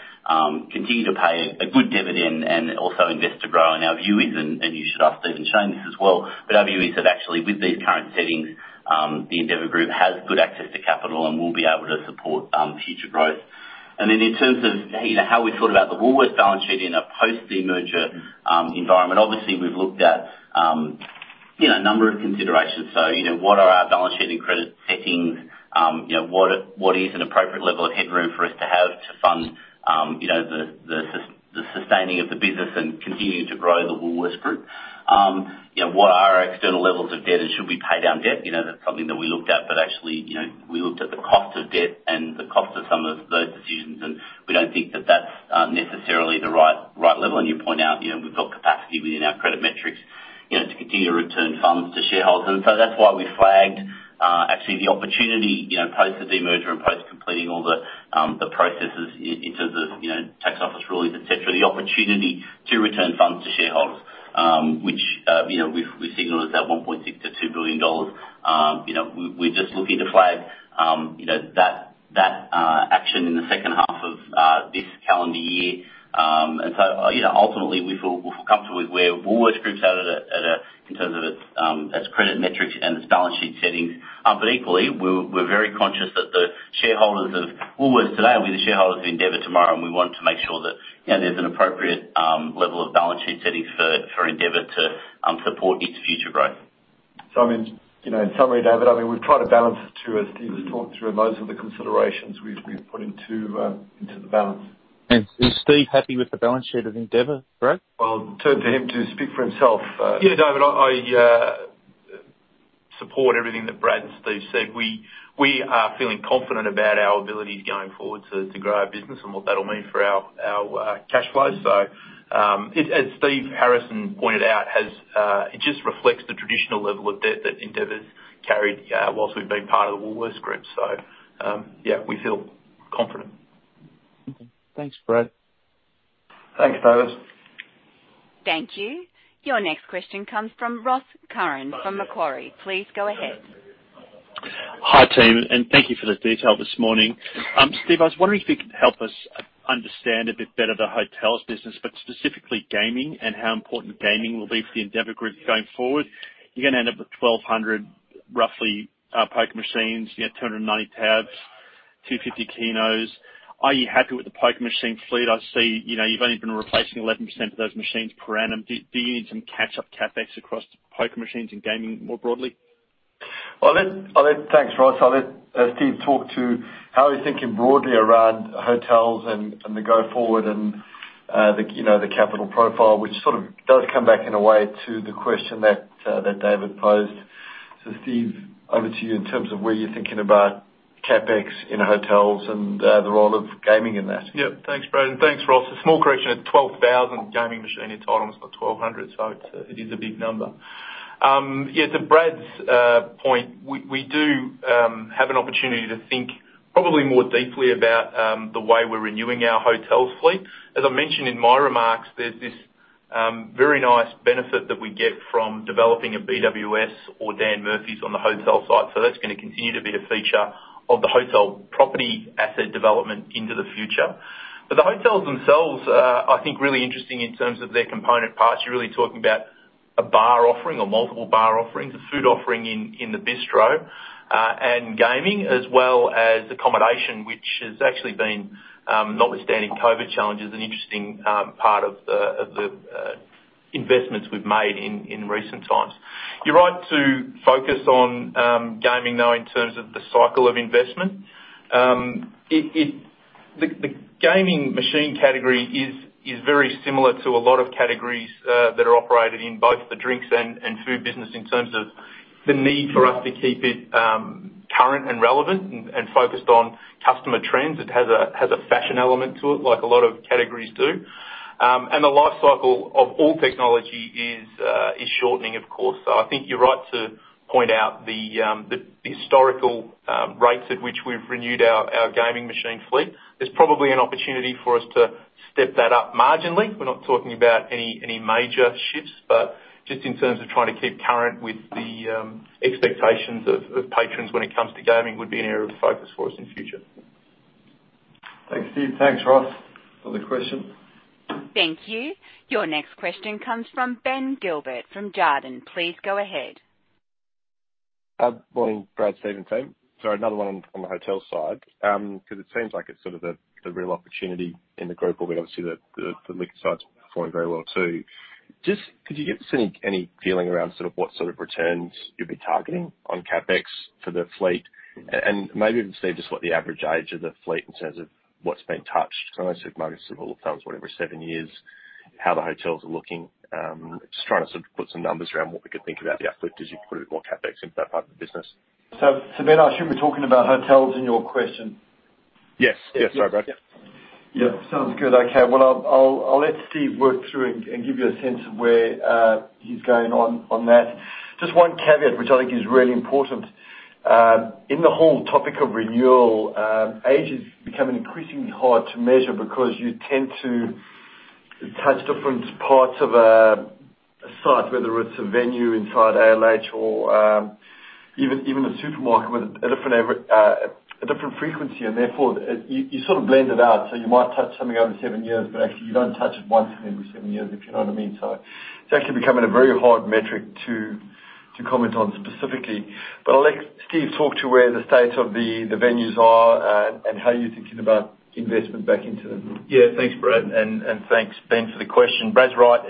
continue to pay a good dividend and also invest to grow. And our view is, and you should ask Steve and Shane this as well, but our view is that actually, with these current settings, the Endeavour Group has good access to capital and will be able to support future growth. And then in terms of, you know, how we thought about the Woolworths balance sheet in a post-demerger environment, obviously, we've looked at, you know, a number of considerations. So, you know, what are our balance sheet and credit settings? You know, what is an appropriate level of headroom for us to have to fund, you know, the sustaining of the business and continuing to grow the Woolworths Group? You know, what are our external levels of debt, and should we pay down debt? You know, that's something that we looked at, but actually, you know, we looked at the cost of debt and the cost of some of those decisions, and we don't think that that's necessarily the right level, and you point out, you know, we've got capacity within our credit metrics, you know, to continue to return funds to shareholders. And so that's why we flagged, actually the opportunity, you know, post the demerger and post completing all the, the processes in terms of, you know, tax office rulings, et cetera, the opportunity to return funds to shareholders, which, you know, we've signaled is at 1.6 billion-2 billion dollars. You know, we're just looking to flag, you know, that action in the H2 of this calendar year. And so, you know, ultimately, we feel comfortable with where Woolworths Group's at, in terms of its credit metrics and its balance sheet settings. But equally, we're very conscious that the shareholders of Woolworths today are the shareholders of Endeavour tomorrow, and we want to make sure that, you know, there's an appropriate level of balance sheet setting for Endeavour to support its future growth. So I mean, you know, in summary, David, I mean, we've tried to balance the two as Steve has talked through, and those are the considerations we've put into the balance. Is Steve happy with the balance sheet of Endeavour, Brad? I'll turn to him to speak for himself. Yeah, David, I support everything that Brad and Steve said. We are feeling confident about our ability going forward to grow our business and what that'll mean for our cash flows. So, as Steve Harrison pointed out, it just reflects the traditional level of debt that Endeavour's carried while we've been part of the Woolworths Group. So, yeah, we feel confident. Okay. Thanks, Brad. Thanks, David. Thank you. Your next question comes from Ross Curran from Macquarie. Please go ahead. Hi, team, and thank you for the detail this morning. Steve, I was wondering if you could help us understand a bit better the hotels business, but specifically gaming, and how important gaming will be for the Endeavour Group going forward. You're gonna end up with 1,200, roughly, poker machines, you have 290 TABs, 250 Kenos. Are you happy with the poker machine fleet? I see, you know, you've only been replacing 11% of those machines per annum. Do you need some catch-up CapEx across poker machines and gaming more broadly? Thanks, Ross. I'll let Steve talk to how we're thinking broadly around hotels and the go forward and the you know the capital profile, which sort of does come back in a way to the question that David posed. Steve, over to you in terms of where you're thinking about CapEx in hotels and the role of gaming in that. Yep. Thanks, Brad, and thanks, Ross. A small correction, it's 12,000 gaming machine entitlements, not 1,200, so it is a big number. Yeah, to Brad's point, we do have an opportunity to think probably more deeply about the way we're renewing our hotel fleet. As I mentioned in my remarks, there's this very nice benefit that we get from developing a BWS or Dan Murphy's on the hotel site, so that's gonna continue to be a feature of the hotel property asset development into the future. But the hotels themselves are, I think, really interesting in terms of their component parts. You're really talking about a bar offering or multiple bar offerings, a food offering in the bistro, and gaming, as well as accommodation, which has actually been, notwithstanding COVID challenges, an interesting part of the investments we've made in recent times. You're right to focus on gaming, though, in terms of the cycle of investment. The gaming machine category is very similar to a lot of categories that are operated in both the drinks and food business, in terms of the need for us to keep it current and relevant and focused on customer trends. It has a fashion element to it, like a lot of categories do. And the life cycle of all technology is shortening, of course. I think you're right to point out the historical rates at which we've renewed our gaming machine fleet. There's probably an opportunity for us to step that up marginally. We're not talking about any major shifts, but just in terms of trying to keep current with the expectations of patrons when it comes to gaming, would be an area of focus for us in future. Thanks, Steve. Thanks, Ross, for the question. Thank you. Your next question comes from Ben Gilbert from Jarden. Please go ahead. Morning, Brad, Steve, and team. So another one on the hotel side, 'cause it seems like it's sort of the real opportunity in the group, although obviously the liquor side's performing very well, too. Just could you give us any feeling around sort of what sort of returns you'll be targeting on CapEx for the fleet? And maybe, Steve, just what the average age of the fleet, in terms of what's been touched. I know supermarkets rule of thumb is, what, every seven years, how the hotels are looking. Just trying to sort of put some numbers around what we could think about the uplift as you put a bit more CapEx into that part of the business. So, Ben, I assume we're talking about hotels in your question? Yes. Yes, sorry, Brad. Yeah. Sounds good. Okay. Well, I'll let Steve work through and give you a sense of where he's going on that. Just one caveat, which I think is really important, in the whole topic of renewal, age is becoming increasingly hard to measure because you tend to touch different parts of a site, whether it's a venue inside ALH or even a supermarket, with a different frequency, and therefore you sort of blend it out. So you might touch something every seven years, but actually you don't touch it once every seven years, if you know what I mean. So it's actually becoming a very hard metric to comment on specifically. But I'll let Steve talk to where the state of the venues are, and how you're thinking about investment back into them. Yeah, thanks, Brad, and, and thanks, Ben, for the question. Brad's right.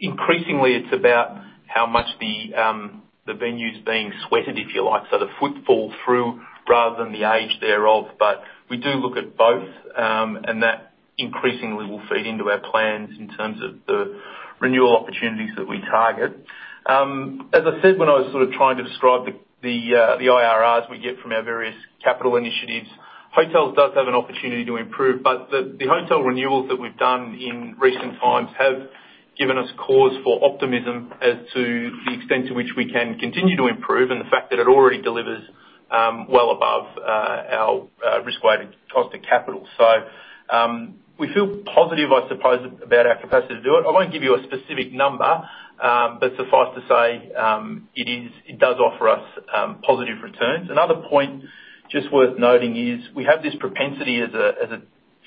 Increasingly, it's about how much the, the venue's being sweated, if you like, so the footfall through, rather than the age thereof. But we do look at both, and that increasingly will feed into our plans in terms of the renewal opportunities that we target. As I said, when I was sort of trying to describe the, the, the IRRs we get from our various capital initiatives, hotels does have an opportunity to improve, but the, the hotel renewals that we've done in recent times have given us cause for optimism as to the extent to which we can continue to improve, and the fact that it already delivers, well above, our, risk-weighted cost of capital. So, we feel positive, I suppose, about our capacity to do it. I won't give you a specific number, but suffice to say, it does offer us positive returns. Another point just worth noting is, we have this propensity as a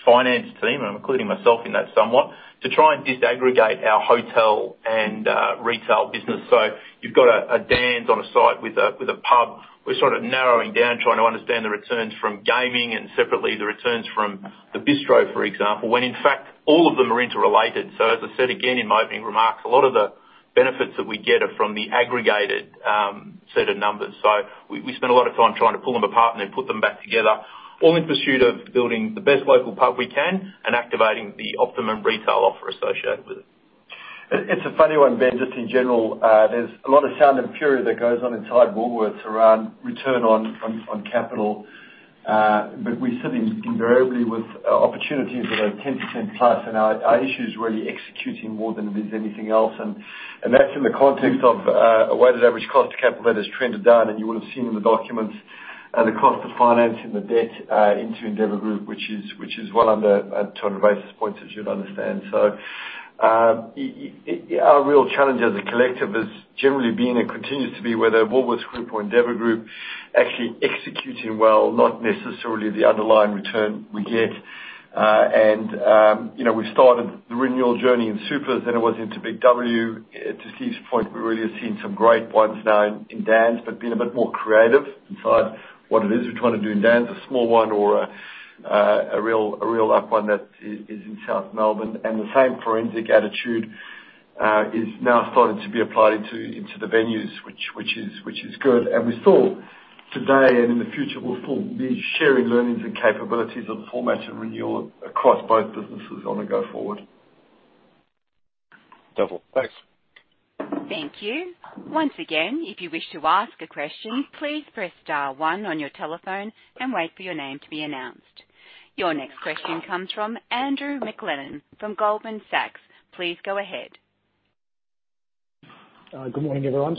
finance team, I'm including myself in that somewhat, to try and disaggregate our hotel and retail business. So you've got a Dan's on a site with a pub. We're sort of narrowing down, trying to understand the returns from gaming and separately the returns from the bistro, for example, when in fact all of them are interrelated. So as I said again in my opening remarks, a lot of the benefits that we get are from the aggregated set of numbers. So we spend a lot of time trying to pull them apart and then put them back together, all in pursuit of building the best local pub we can and activating the optimum retail offer associated with it. It, it's a funny one, Ben, just in general. There's a lot of sound and fury that goes on inside Woolworths around return on capital. But we sit in invariably with opportunities that are 10% plus, and our issue is really executing more than it is anything else. And that's in the context of a weighted average cost of capital that has trended down, and you would have seen in the documents the cost of financing the debt into Endeavour Group, which is well under a ton of basis points, as you'd understand. So our real challenge as a collective has generally been, and continues to be, whether Woolworths Group or Endeavour Group actually executing well, not necessarily the underlying return we get. You know, we started the renewal journey in Supers, then it was into BIG W. To Steve's point, we really are seeing some great ones now in Dan's, but being a bit more creative inside what it is we're trying to do in Dan's, a small one or a real up one that is in South Melbourne. And the same forensic attitude is now starting to be applied into the venues, which is good. And we still today and in the future, we'll still be sharing learnings and capabilities of the format and renewal across both businesses on a go-forward. Double. Thanks. Thank you. Once again, if you wish to ask a question, please press star one on your telephone and wait for your name to be announced. Your next question comes from Andrew McLennan from Goldman Sachs. Please go ahead. Good morning, everyone.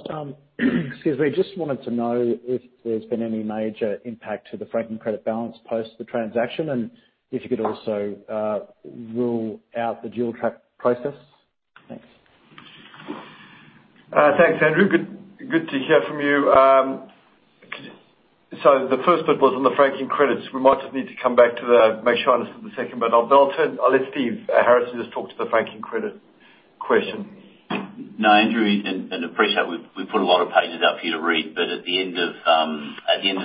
Excuse me. Just wanted to know if there's been any major impact to the franking credit balance post the transaction, and if you could also rule out the dual-track process? Thanks. Thanks, Andrew. Good, good to hear from you. So the first bit was on the franking credits. We might just need to come back to that, make sure I understood the second, but I'll let Stephen Harrison just talk to the franking credit question. No, Andrew, and appreciate we've put a lot of pages out for you to read, but at the end of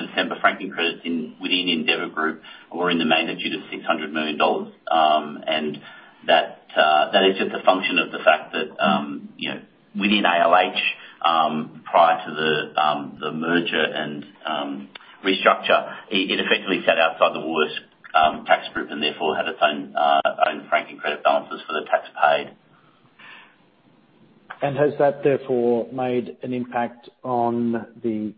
December, franking credits within Endeavour Group were in the magnitude of 600 million dollars, and that is just a function of the fact that, you know, within ALH, prior to the merger and restructure, it effectively sat outside the Woolworths tax group and therefore had its own franking credit balances for the tax paid. Has that therefore made an impact on the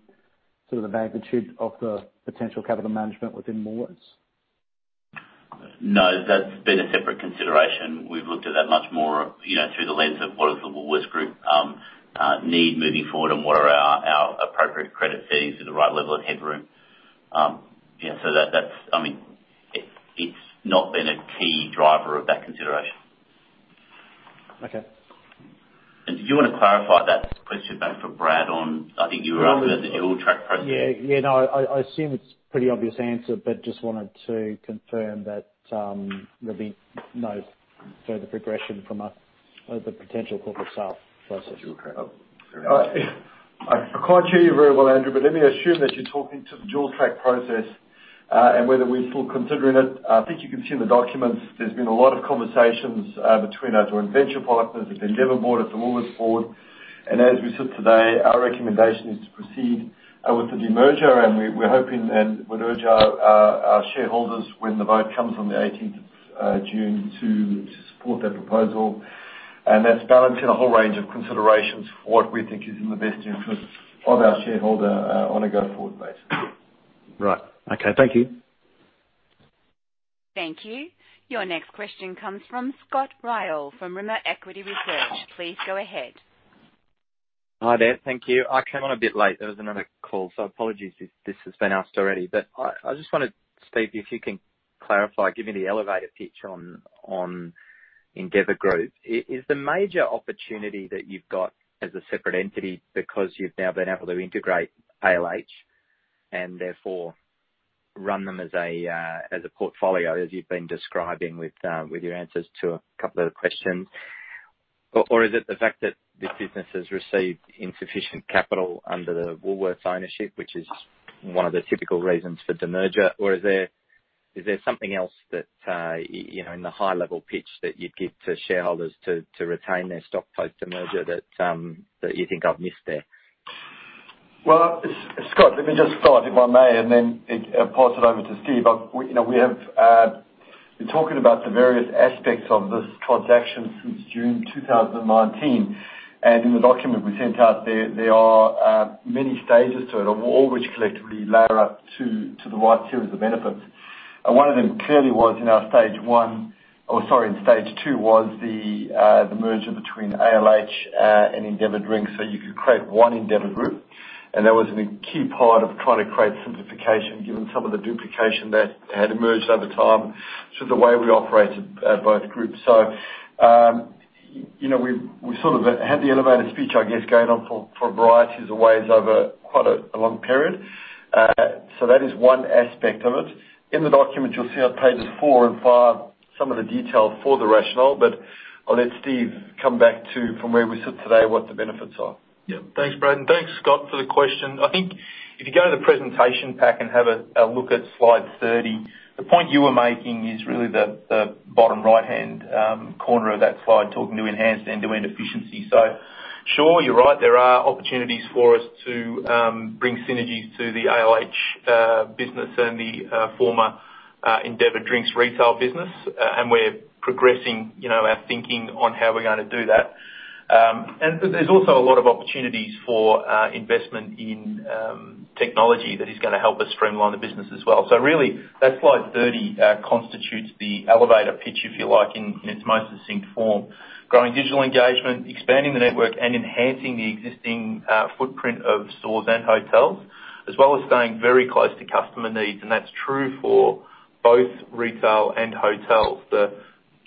sort of magnitude of the potential capital management within Woolworths? No, that's been a separate consideration. We've looked at that much more, you know, through the lens of what is the Woolworths Group need moving forward, and what are our appropriate credit settings to the right level of headroom? Yeah, so that's, I mean, it's not been a key driver of that consideration. Okay. And did you want to clarify that question back for Brad on... I think you were after the dual-track process? Yeah, no, I assume it's pretty obvious answer, but just wanted to confirm that there'll be no further progression from the potential corporate sale process. I can't hear you very well, Andrew, but let me assume that you're talking to the dual-track process, and whether we're still considering it. I think you can see in the documents, there's been a lot of conversations between us and our venture partners, the Endeavour board, the Woolworths board, and as we sit today, our recommendation is to proceed with the demerger, and we're hoping and would urge our shareholders, when the vote comes on the eighteenth June, to support that proposal, and that's balancing a whole range of considerations for what we think is in the best interest of our shareholder on a go-forward basis. Right. Okay, thank you. Thank you. Your next question comes from Scott Ryall, from Rimor Equity Research. Please go ahead. Hi there. Thank you. I came on a bit late. There was another call, so apologies if this has been asked already. But I just wanted, Steve, if you can clarify, give me the elevator pitch on Endeavour Group. Is the major opportunity that you've got as a separate entity because you've now been able to integrate ALH, and therefore run them as a portfolio, as you've been describing with your answers to a couple of the questions? Or is it the fact that this business has received insufficient capital under the Woolworths ownership, which is one of the typical reasons for demerger? Or is there something else that you know, in the high level pitch that you'd give to shareholders to retain their stock post demerger that you think I've missed there? Scott, let me just start, if I may, and then pass it over to Steve. We, you know, we have been talking about the various aspects of this transaction since June 2019, and in the document we sent out, there are many stages to it, all which collectively layer up to the right series of benefits. One of them clearly was in stage two, the merger between ALH and Endeavour Drinks, so you could create one Endeavour Group, and that was a key part of trying to create simplification, given some of the duplication that had emerged over time through the way we operated both groups. So, you know, we sort of had the elevated speech, I guess, going on for a variety of ways over quite a long period. So that is one aspect of it. In the document, you'll see on pages four and five, some of the details for the rationale, but I'll let Steve come back to from where we sit today, what the benefits are. Yeah. Thanks, Brad, and thanks, Scott, for the question. I think if you go to the presentation pack and have a look at slide 30, the point you were making is really the bottom right-hand corner of that slide, talking to enhanced end-to-end efficiency. So sure, you're right, there are opportunities for us to bring synergies to the ALH business and the former Endeavour Drinks Retail business. And we're progressing, you know, our thinking on how we're gonna do that. And there's also a lot of opportunities for investment in technology that is gonna help us streamline the business as well. So really, that slide 30 constitutes the elevator pitch, if you like, in its most succinct form. Growing digital engagement, expanding the network, and enhancing the existing footprint of stores and hotels, as well as staying very close to customer needs. That's true for both retail and hotels. The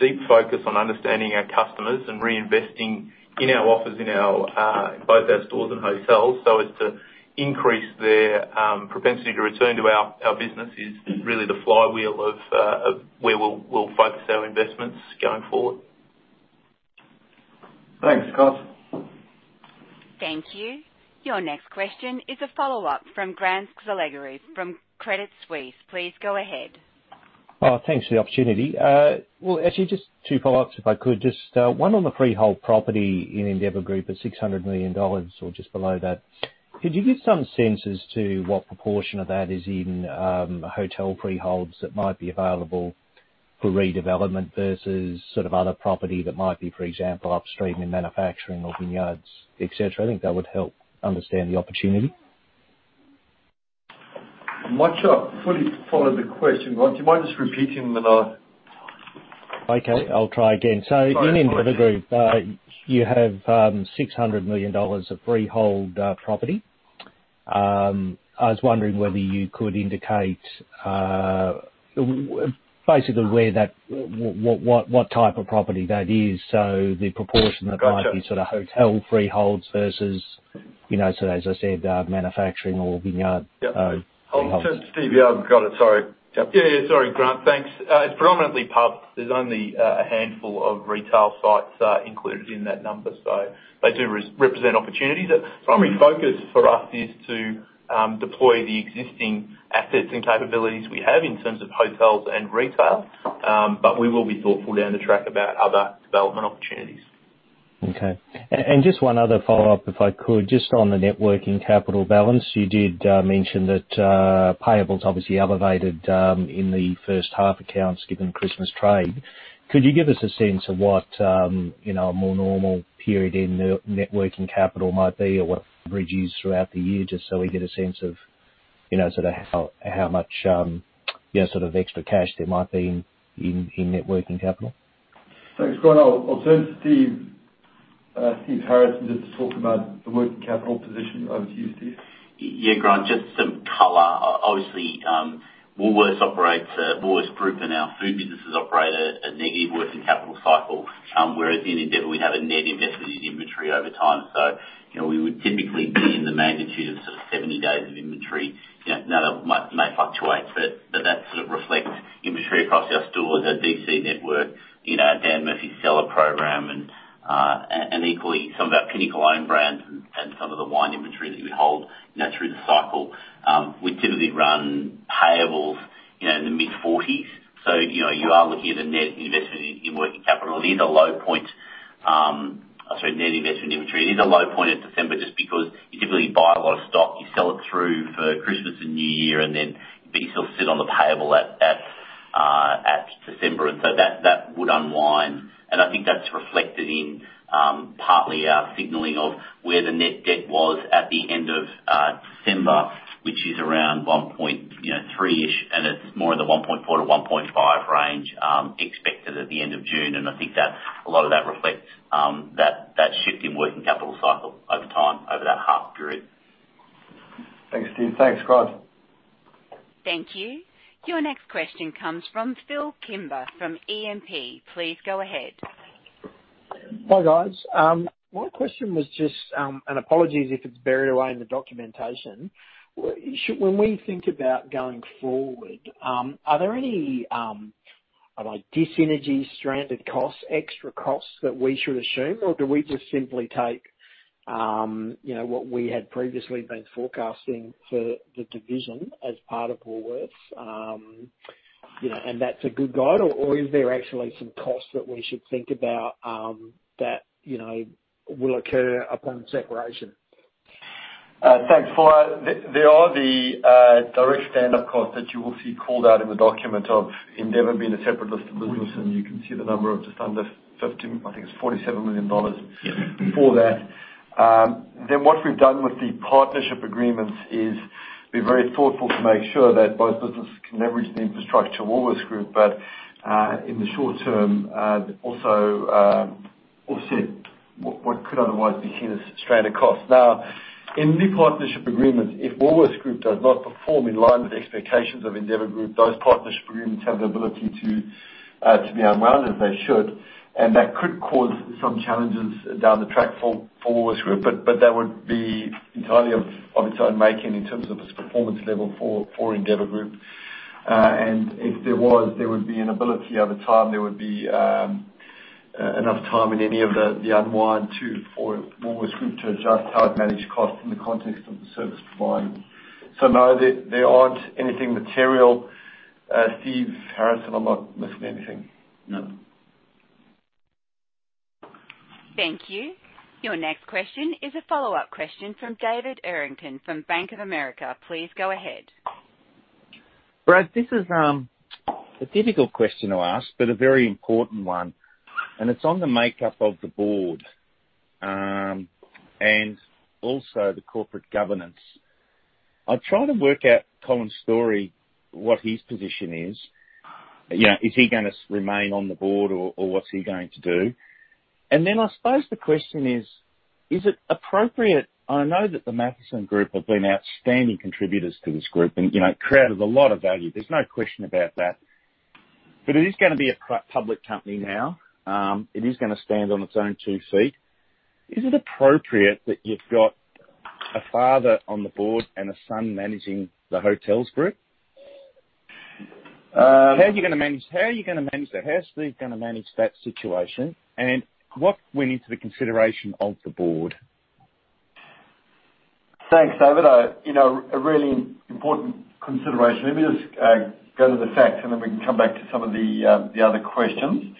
deep focus on understanding our customers and reinvesting in our offers in our both our stores and hotels, so as to increase their propensity to return to our business is really the flywheel of where we'll focus our investments going forward. Thanks, Scott. Thank you. Your next question is a follow-up from Grant Saligari from Credit Suisse. Please go ahead. Oh, thanks for the opportunity. Well, actually, just two follow-ups, if I could. Just, one on the freehold property in Endeavour Group of 600 million dollars or just below that. Could you give some sense as to what proportion of that is in, hotel freeholds that might be available for redevelopment versus sort of other property that might be, for example, upstream in manufacturing or vineyards, et cetera? I think that would help understand the opportunity. I'm not sure I fully followed the question, Grant. Do you mind just repeating them, and I'll- Okay, I'll try again. Sorry, sorry. So in Endeavour Group, you have 600 million dollars of freehold property. I was wondering whether you could indicate basically what type of property that is, so the proportion- Gotcha -that might be sort of hotel freeholds versus, you know, so as I said, manufacturing or vineyard freeholds. Yeah. I'll turn to Steve. Yeah, I've got it. Sorry. Yeah, yeah. Sorry, Grant. Thanks. It's predominantly pubs. There's only a handful of retail sites included in that number, so they do represent opportunities. The primary focus for us is to deploy the existing assets and capabilities we have in terms of hotels and retail, but we will be thoughtful down the track about other development opportunities. Okay. And just one other follow-up, if I could, just on the net working capital balance. You did mention that payables obviously elevated in the H1 accounts, given Christmas trade. Could you give us a sense of what you know, a more normal period in the net working capital might be, or what reduced throughout the year, just so we get a sense of you know, sort of how much you know, sort of extra cash there might be in net working capital? Thanks, Grant. I'll turn to Stephen Harrison just to talk about the working capital position. Over to you, Steve. Yeah, Grant, just some color. Obviously, Woolworths operates as Woolworths Group, and our food businesses operate a negative working capital cycle, whereas in Endeavour, we have a net investment in inventory over time. So you know, we would typically be in the magnitude of sort of 70 days of inventory. You know, now that might may fluctuate, but that sort of reflects inventory across our stores, our DC network, you know, Dan Murphy's, and equally some of our principal own brands and some of the wine inventory that you would hold, you know, through the cycle. We typically run payables, you know, in the mid-40s. So, you know, you are looking at a net investment in working capital. It is a low point... I'm sorry, net investment in inventory. It is a low point in December, just because you typically buy a lot of stock, you sell it through for Christmas and New Year, and then but you sort of sit on the payable at December, and so that would unwind. And I think that's reflected in partly our signaling of where the net debt was at the end of December, which is around one point, you know, three-ish, and it's more in the one point four to one point five range, expected at the end of June. And I think that a lot of that reflects that shift in working capital cycle over time, over that half period. Thanks, Steve. Thanks, Grant. Thank you. Your next question comes from Phil Kimber, from E&P. Please go ahead. Hi, guys. My question was just, and apologies if it's buried away in the documentation. When we think about going forward, are there any dis-synergies, stranded costs, extra costs that we should assume? Or do we just simply take, you know, what we had previously been forecasting for the division as part of Woolworths? You know, and that's a good guide, or is there actually some costs that we should think about, that, you know, will occur upon separation? Thanks, Phil. There are the direct stand-up costs that you will see called out in the document of Endeavour being a separate list of business, and you can see the number of just under 50 million, I think it's 47 million dollars for that. Then what we've done with the partnership agreements is be very thoughtful to make sure that both businesses can leverage the infrastructure of Woolworths Group, but in the short term also offset what could otherwise be seen as stranded costs. Now, in the partnership agreements, if Woolworths Group does not perform in line with the expectations of Endeavour Group, those partnership agreements have the ability to be unwound, as they should, and that could cause some challenges down the track for Woolworths Group. But that would be entirely of its own making in terms of its performance level for Endeavour Group. And if there was there would be an ability over time there would be enough time in any of the unwind to for Woolworths Group to adjust how it managed costs in the context of the service provided. So no, there aren't anything material. Stephen Harrison, am I not missing anything? No. Thank you. Your next question is a follow-up question from David Errington from Bank of America. Please go ahead. Brad, this is a difficult question to ask, but a very important one, and it's on the makeup of the board and also the corporate governance. I've tried to work out Colin Storrie, what his position is. You know, is he gonna remain on the board or what's he going to do? And then I suppose the question is: Is it appropriate? I know that the Mathieson Group have been outstanding contributors to this group and, you know, created a lot of value. There's no question about that. But it is gonna be a public company now. It is gonna stand on its own two feet. Is it appropriate that you've got a father on the board and a son managing the hotels group? Um- How are you gonna manage, how are you gonna manage that? How's Steve gonna manage that situation, and what went into the consideration of the board? Thanks, David. You know, a really important consideration. Let me just go to the facts, and then we can come back to some of the other questions.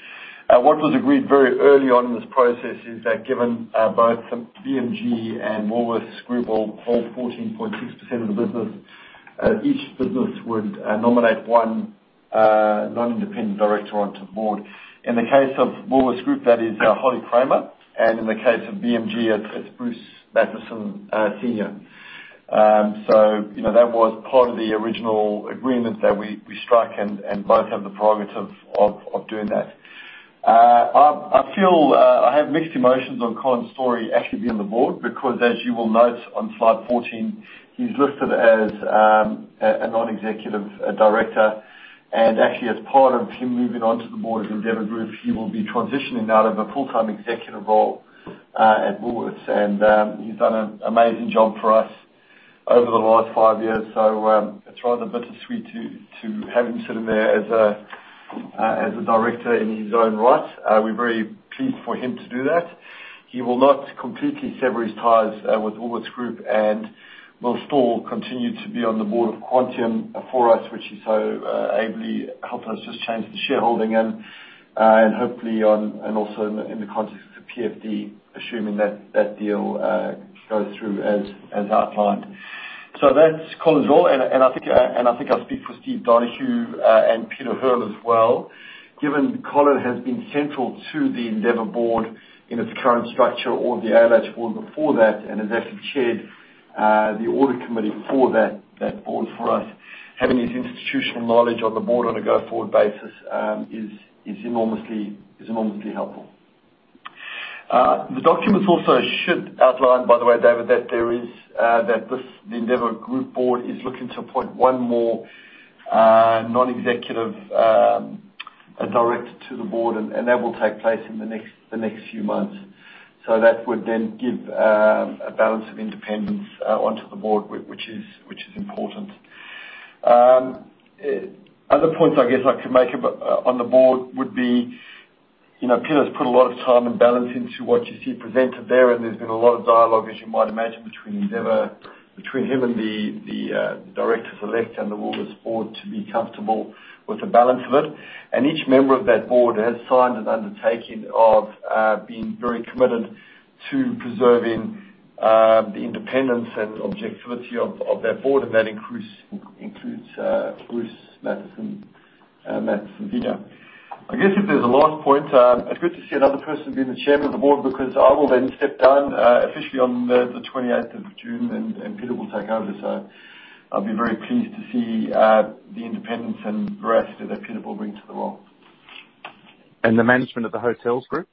What was agreed very early on in this process is that given both BMG and Woolworths Group hold 14.6% of the business, each business would nominate one non-independent director onto the board. In the case of Woolworths Group, that is Holly Kramer, and in the case of BMG, it's Bruce Mathieson Sr. So, you know, that was part of the original agreement that we struck, and both have the prerogative of doing that. I feel I have mixed emotions on Colin Storrie actually being on the board, because as you will note on slide fourteen, he's listed as a non-executive director. Actually, as part of him moving on to the board of Endeavour Group, he will be transitioning out of a full-time executive role at Woolworths. He's done an amazing job for us over the last five years. It's rather bittersweet to have him sitting there as a director in his own right. We're very pleased for him to do that. He will not completely sever his ties with Woolworths Group and will still continue to be on the board of Quantium for us, which he so ably helped us just change the shareholding in. And hopefully on and also in the context of the PFD, assuming that deal goes through as outlined. So that's Colin's role, and I think I speak for Steve Donohue and Peter Hearl as well. Given Colin has been central to the Endeavour board in its current structure or the ALH board before that, and has actually chaired the audit committee for that board for us, having his institutional knowledge on the board on a go-forward basis is enormously helpful. The documents also should outline, by the way, David, that there is this, the Endeavour Group board, is looking to appoint one more non-executive director to the board, and that will take place in the next few months. So that would then give a balance of independence onto the board, which is important. Other points I guess I could make about on the board would be, you know, Peter's put a lot of time and balance into what you see presented there, and there's been a lot of dialogue, as you might imagine, between Endeavour between him and the directors elect and the Woolworths board to be comfortable with the balance of it. And each member of that board has signed an undertaking of being very committed to preserving the independence and objectivity of that board, and that includes Bruce Mathieson, Mathieson Junior. I guess if there's a last point, it's good to see another person being the chairman of the board, because I will then step down officially on the twenty-eighth of June, and Peter will take over. So I'll be very pleased to see the independence and veracity that Peter will bring to the role. The management of the hotels group?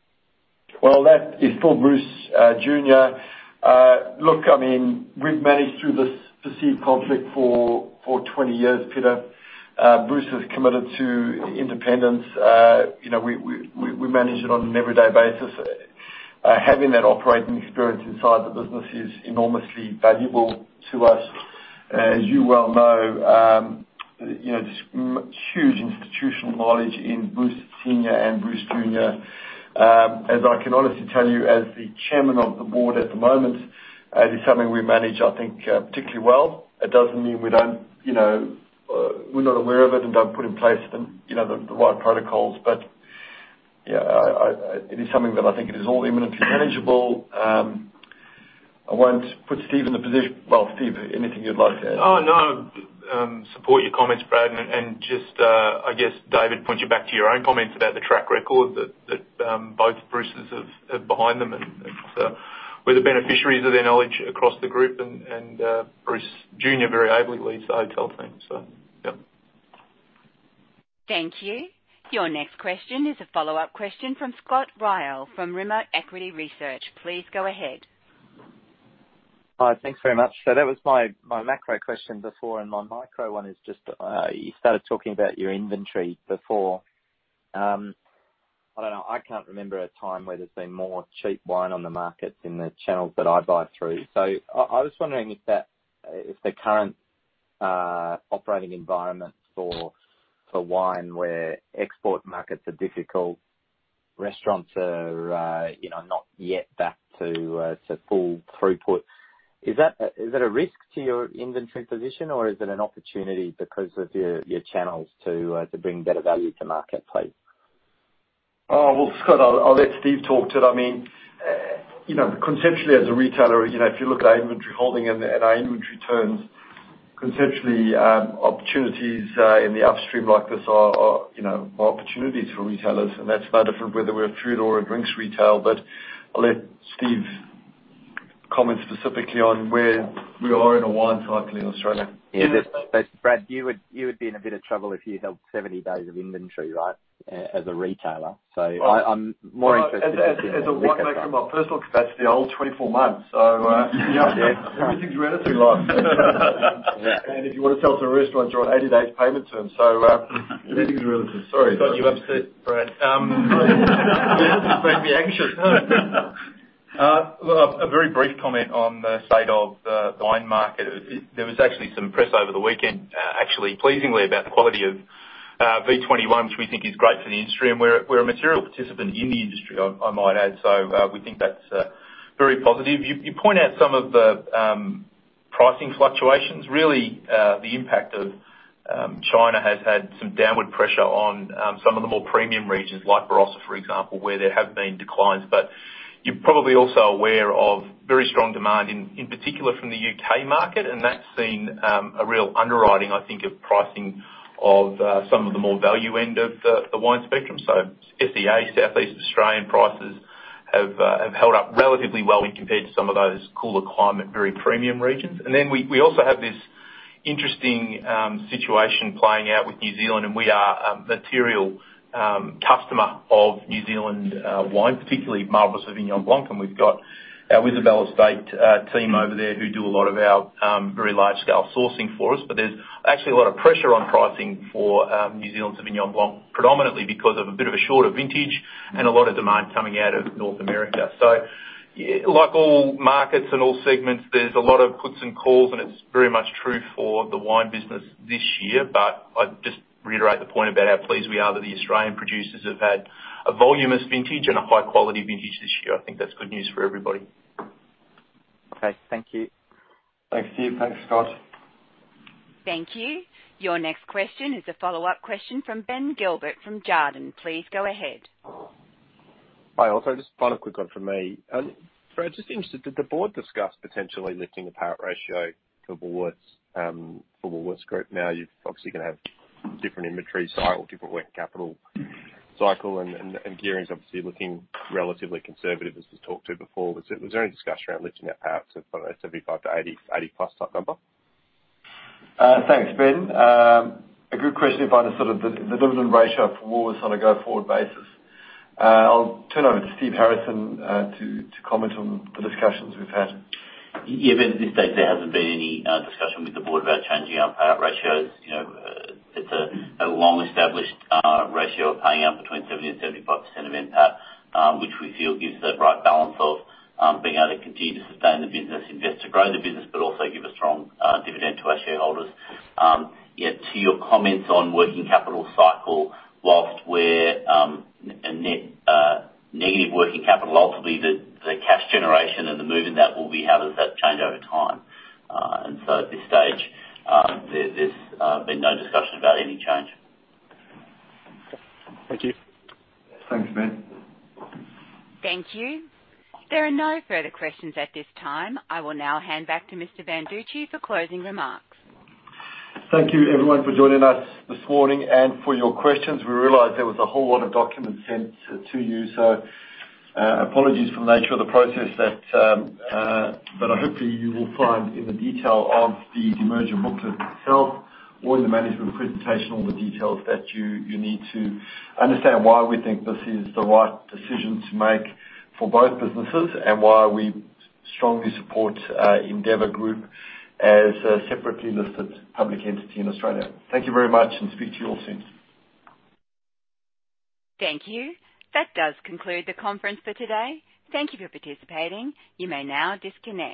That is still Bruce Junior. Look, I mean, we've managed through this perceived conflict for twenty years, Peter. Bruce is committed to independence. You know, we manage it on an everyday basis. Having that operating experience inside the business is enormously valuable to us. As you well know, you know, huge institutional knowledge in Bruce Senior and Bruce Junior. As I can honestly tell you, as the chairman of the board at the moment, it is something we manage, I think, particularly well. It doesn't mean we don't, you know, we're not aware of it and don't put in place the, you know, the right protocols. But, yeah, it is something that I think it is all eminently manageable. I won't put Steve in the position. Well, Steve, anything you'd like to add? Oh, no, support your comments, Brad, and just, I guess, David, point you back to your own comments about the track record that both Bruces have behind them, and Bruce Junior very ably leads the hotel team, so, yep. Thank you. Your next question is a follow-up question from Scott Ryall, from Rimor Equity Research. Please go ahead. Hi, thanks very much. So that was my macro question before, and my micro one is just, you started talking about your inventory before. I don't know, I can't remember a time where there's been more cheap wine on the market in the channels that I buy through. So I was wondering if that, if the current operating environment for wine, where export markets are difficult, restaurants are, you know, not yet back to full throughput, is that a risk to your inventory position, or is it an opportunity because of your channels to bring better value to market, please? Oh, well, Scott, I'll let Steve talk to it. I mean, you know, conceptually, as a retailer, you know, if you look at our inventory holding and our inventory turns, conceptually, opportunities in the upstream like this are, you know, more opportunities for retailers, and that's no different whether we're a food or a drinks retail. But I'll let Steve comment specifically on where we are in a wine cycle in Australia. Yeah, but Brad, you would be in a bit of trouble if you held seventy days of inventory, right, as a retailer? So, I'm more interested- Well, first of all, that's the old 24 months, so, yeah, everything's relative, right? And if you want to sell to a restaurant, you're on 80 days payment term, so, everything's relative. Sorry. Got you upset, Brad. Make me anxious. Well, a very brief comment on the state of the wine market. There was actually some press over the weekend, actually, pleasingly, about the quality of V21, which we think is great for the industry, and we're a material participant in the industry, I might add, so we think that's very positive. You point out some of the pricing fluctuations. Really, the impact of China has had some downward pressure on some of the more premium regions, like Barossa, for example, where there have been declines. But you're probably also aware of very strong demand in particular from the UK market, and that's seen a real underwriting, I think, of pricing of some of the more value end of the wine spectrum. So SEA, Southeast Australian prices, have held up relatively well when compared to some of those cooler climate, very premium regions. And then we also have this interesting situation playing out with New Zealand, and we are a material customer of New Zealand wine, particularly marvelous Sauvignon Blanc. And we've got our Isabel Estate team over there who do a lot of our very large-scale sourcing for us. But there's actually a lot of pressure on pricing for New Zealand Sauvignon Blanc, predominantly because of a bit of a shorter vintage, and a lot of demand coming out of North America. So like all markets and all segments, there's a lot of puts and calls, and it's very much true for the wine business this year. But I'd just reiterate the point about how pleased we are that the Australian producers have had a voluminous vintage and a high quality vintage this year. I think that's good news for everybody. Okay. Thank you. Thanks Steve. Thanks, Scott. Thank you. Your next question is a follow-up question from Ben Gilbert, from Jarden. Please go ahead. Hi, also, just one quick one from me. Brad, just interested, did the board discuss potentially lifting the payout ratio for Woolworths, for the Woolworths Group? Now, you're obviously gonna have different inventory cycle, different working capital cycle, and gearing is obviously looking relatively conservative, as we've talked to before. Was there any discussion around lifting that payout to, I don't know, 75%-80%, 80%-plus type number? Thanks, Ben. A good question on the dividend ratio for Woolworths on a go-forward basis. I'll turn over to Stephen Harrison to comment on the discussions we've had. Yeah, Ben, to this date, there hasn't been any discussion with the board about changing our payout ratios. You know, it's a long-established ratio of paying out between 70% and 75% of NPAT, which we feel gives the right balance of being able to continue to sustain the business, invest to grow the business, but also give a strong dividend to our shareholders. Yeah, to your comments on working capital cycle, while we're a net negative working capital, ultimately the cash generation and the move in that will be how does that change over time? And so at this stage, there's been no discussion about any change. Thank you. Thanks, Ben. Thank you. There are no further questions at this time. I will now hand back to Mr. Banducci for closing remarks. Thank you, everyone, for joining us this morning and for your questions. We realize there was a whole lot of documents sent to you, so, apologies for the nature of the process that, but I hope you will find in the detail of the demerger booklet itself, or in the management presentation, all the details that you need to understand why we think this is the right decision to make for both businesses, and why we strongly support, Endeavour Group as a separately listed public entity in Australia. Thank you very much, and speak to you all soon. Thank you. That does conclude the conference for today. Thank you for participating. You may now disconnect.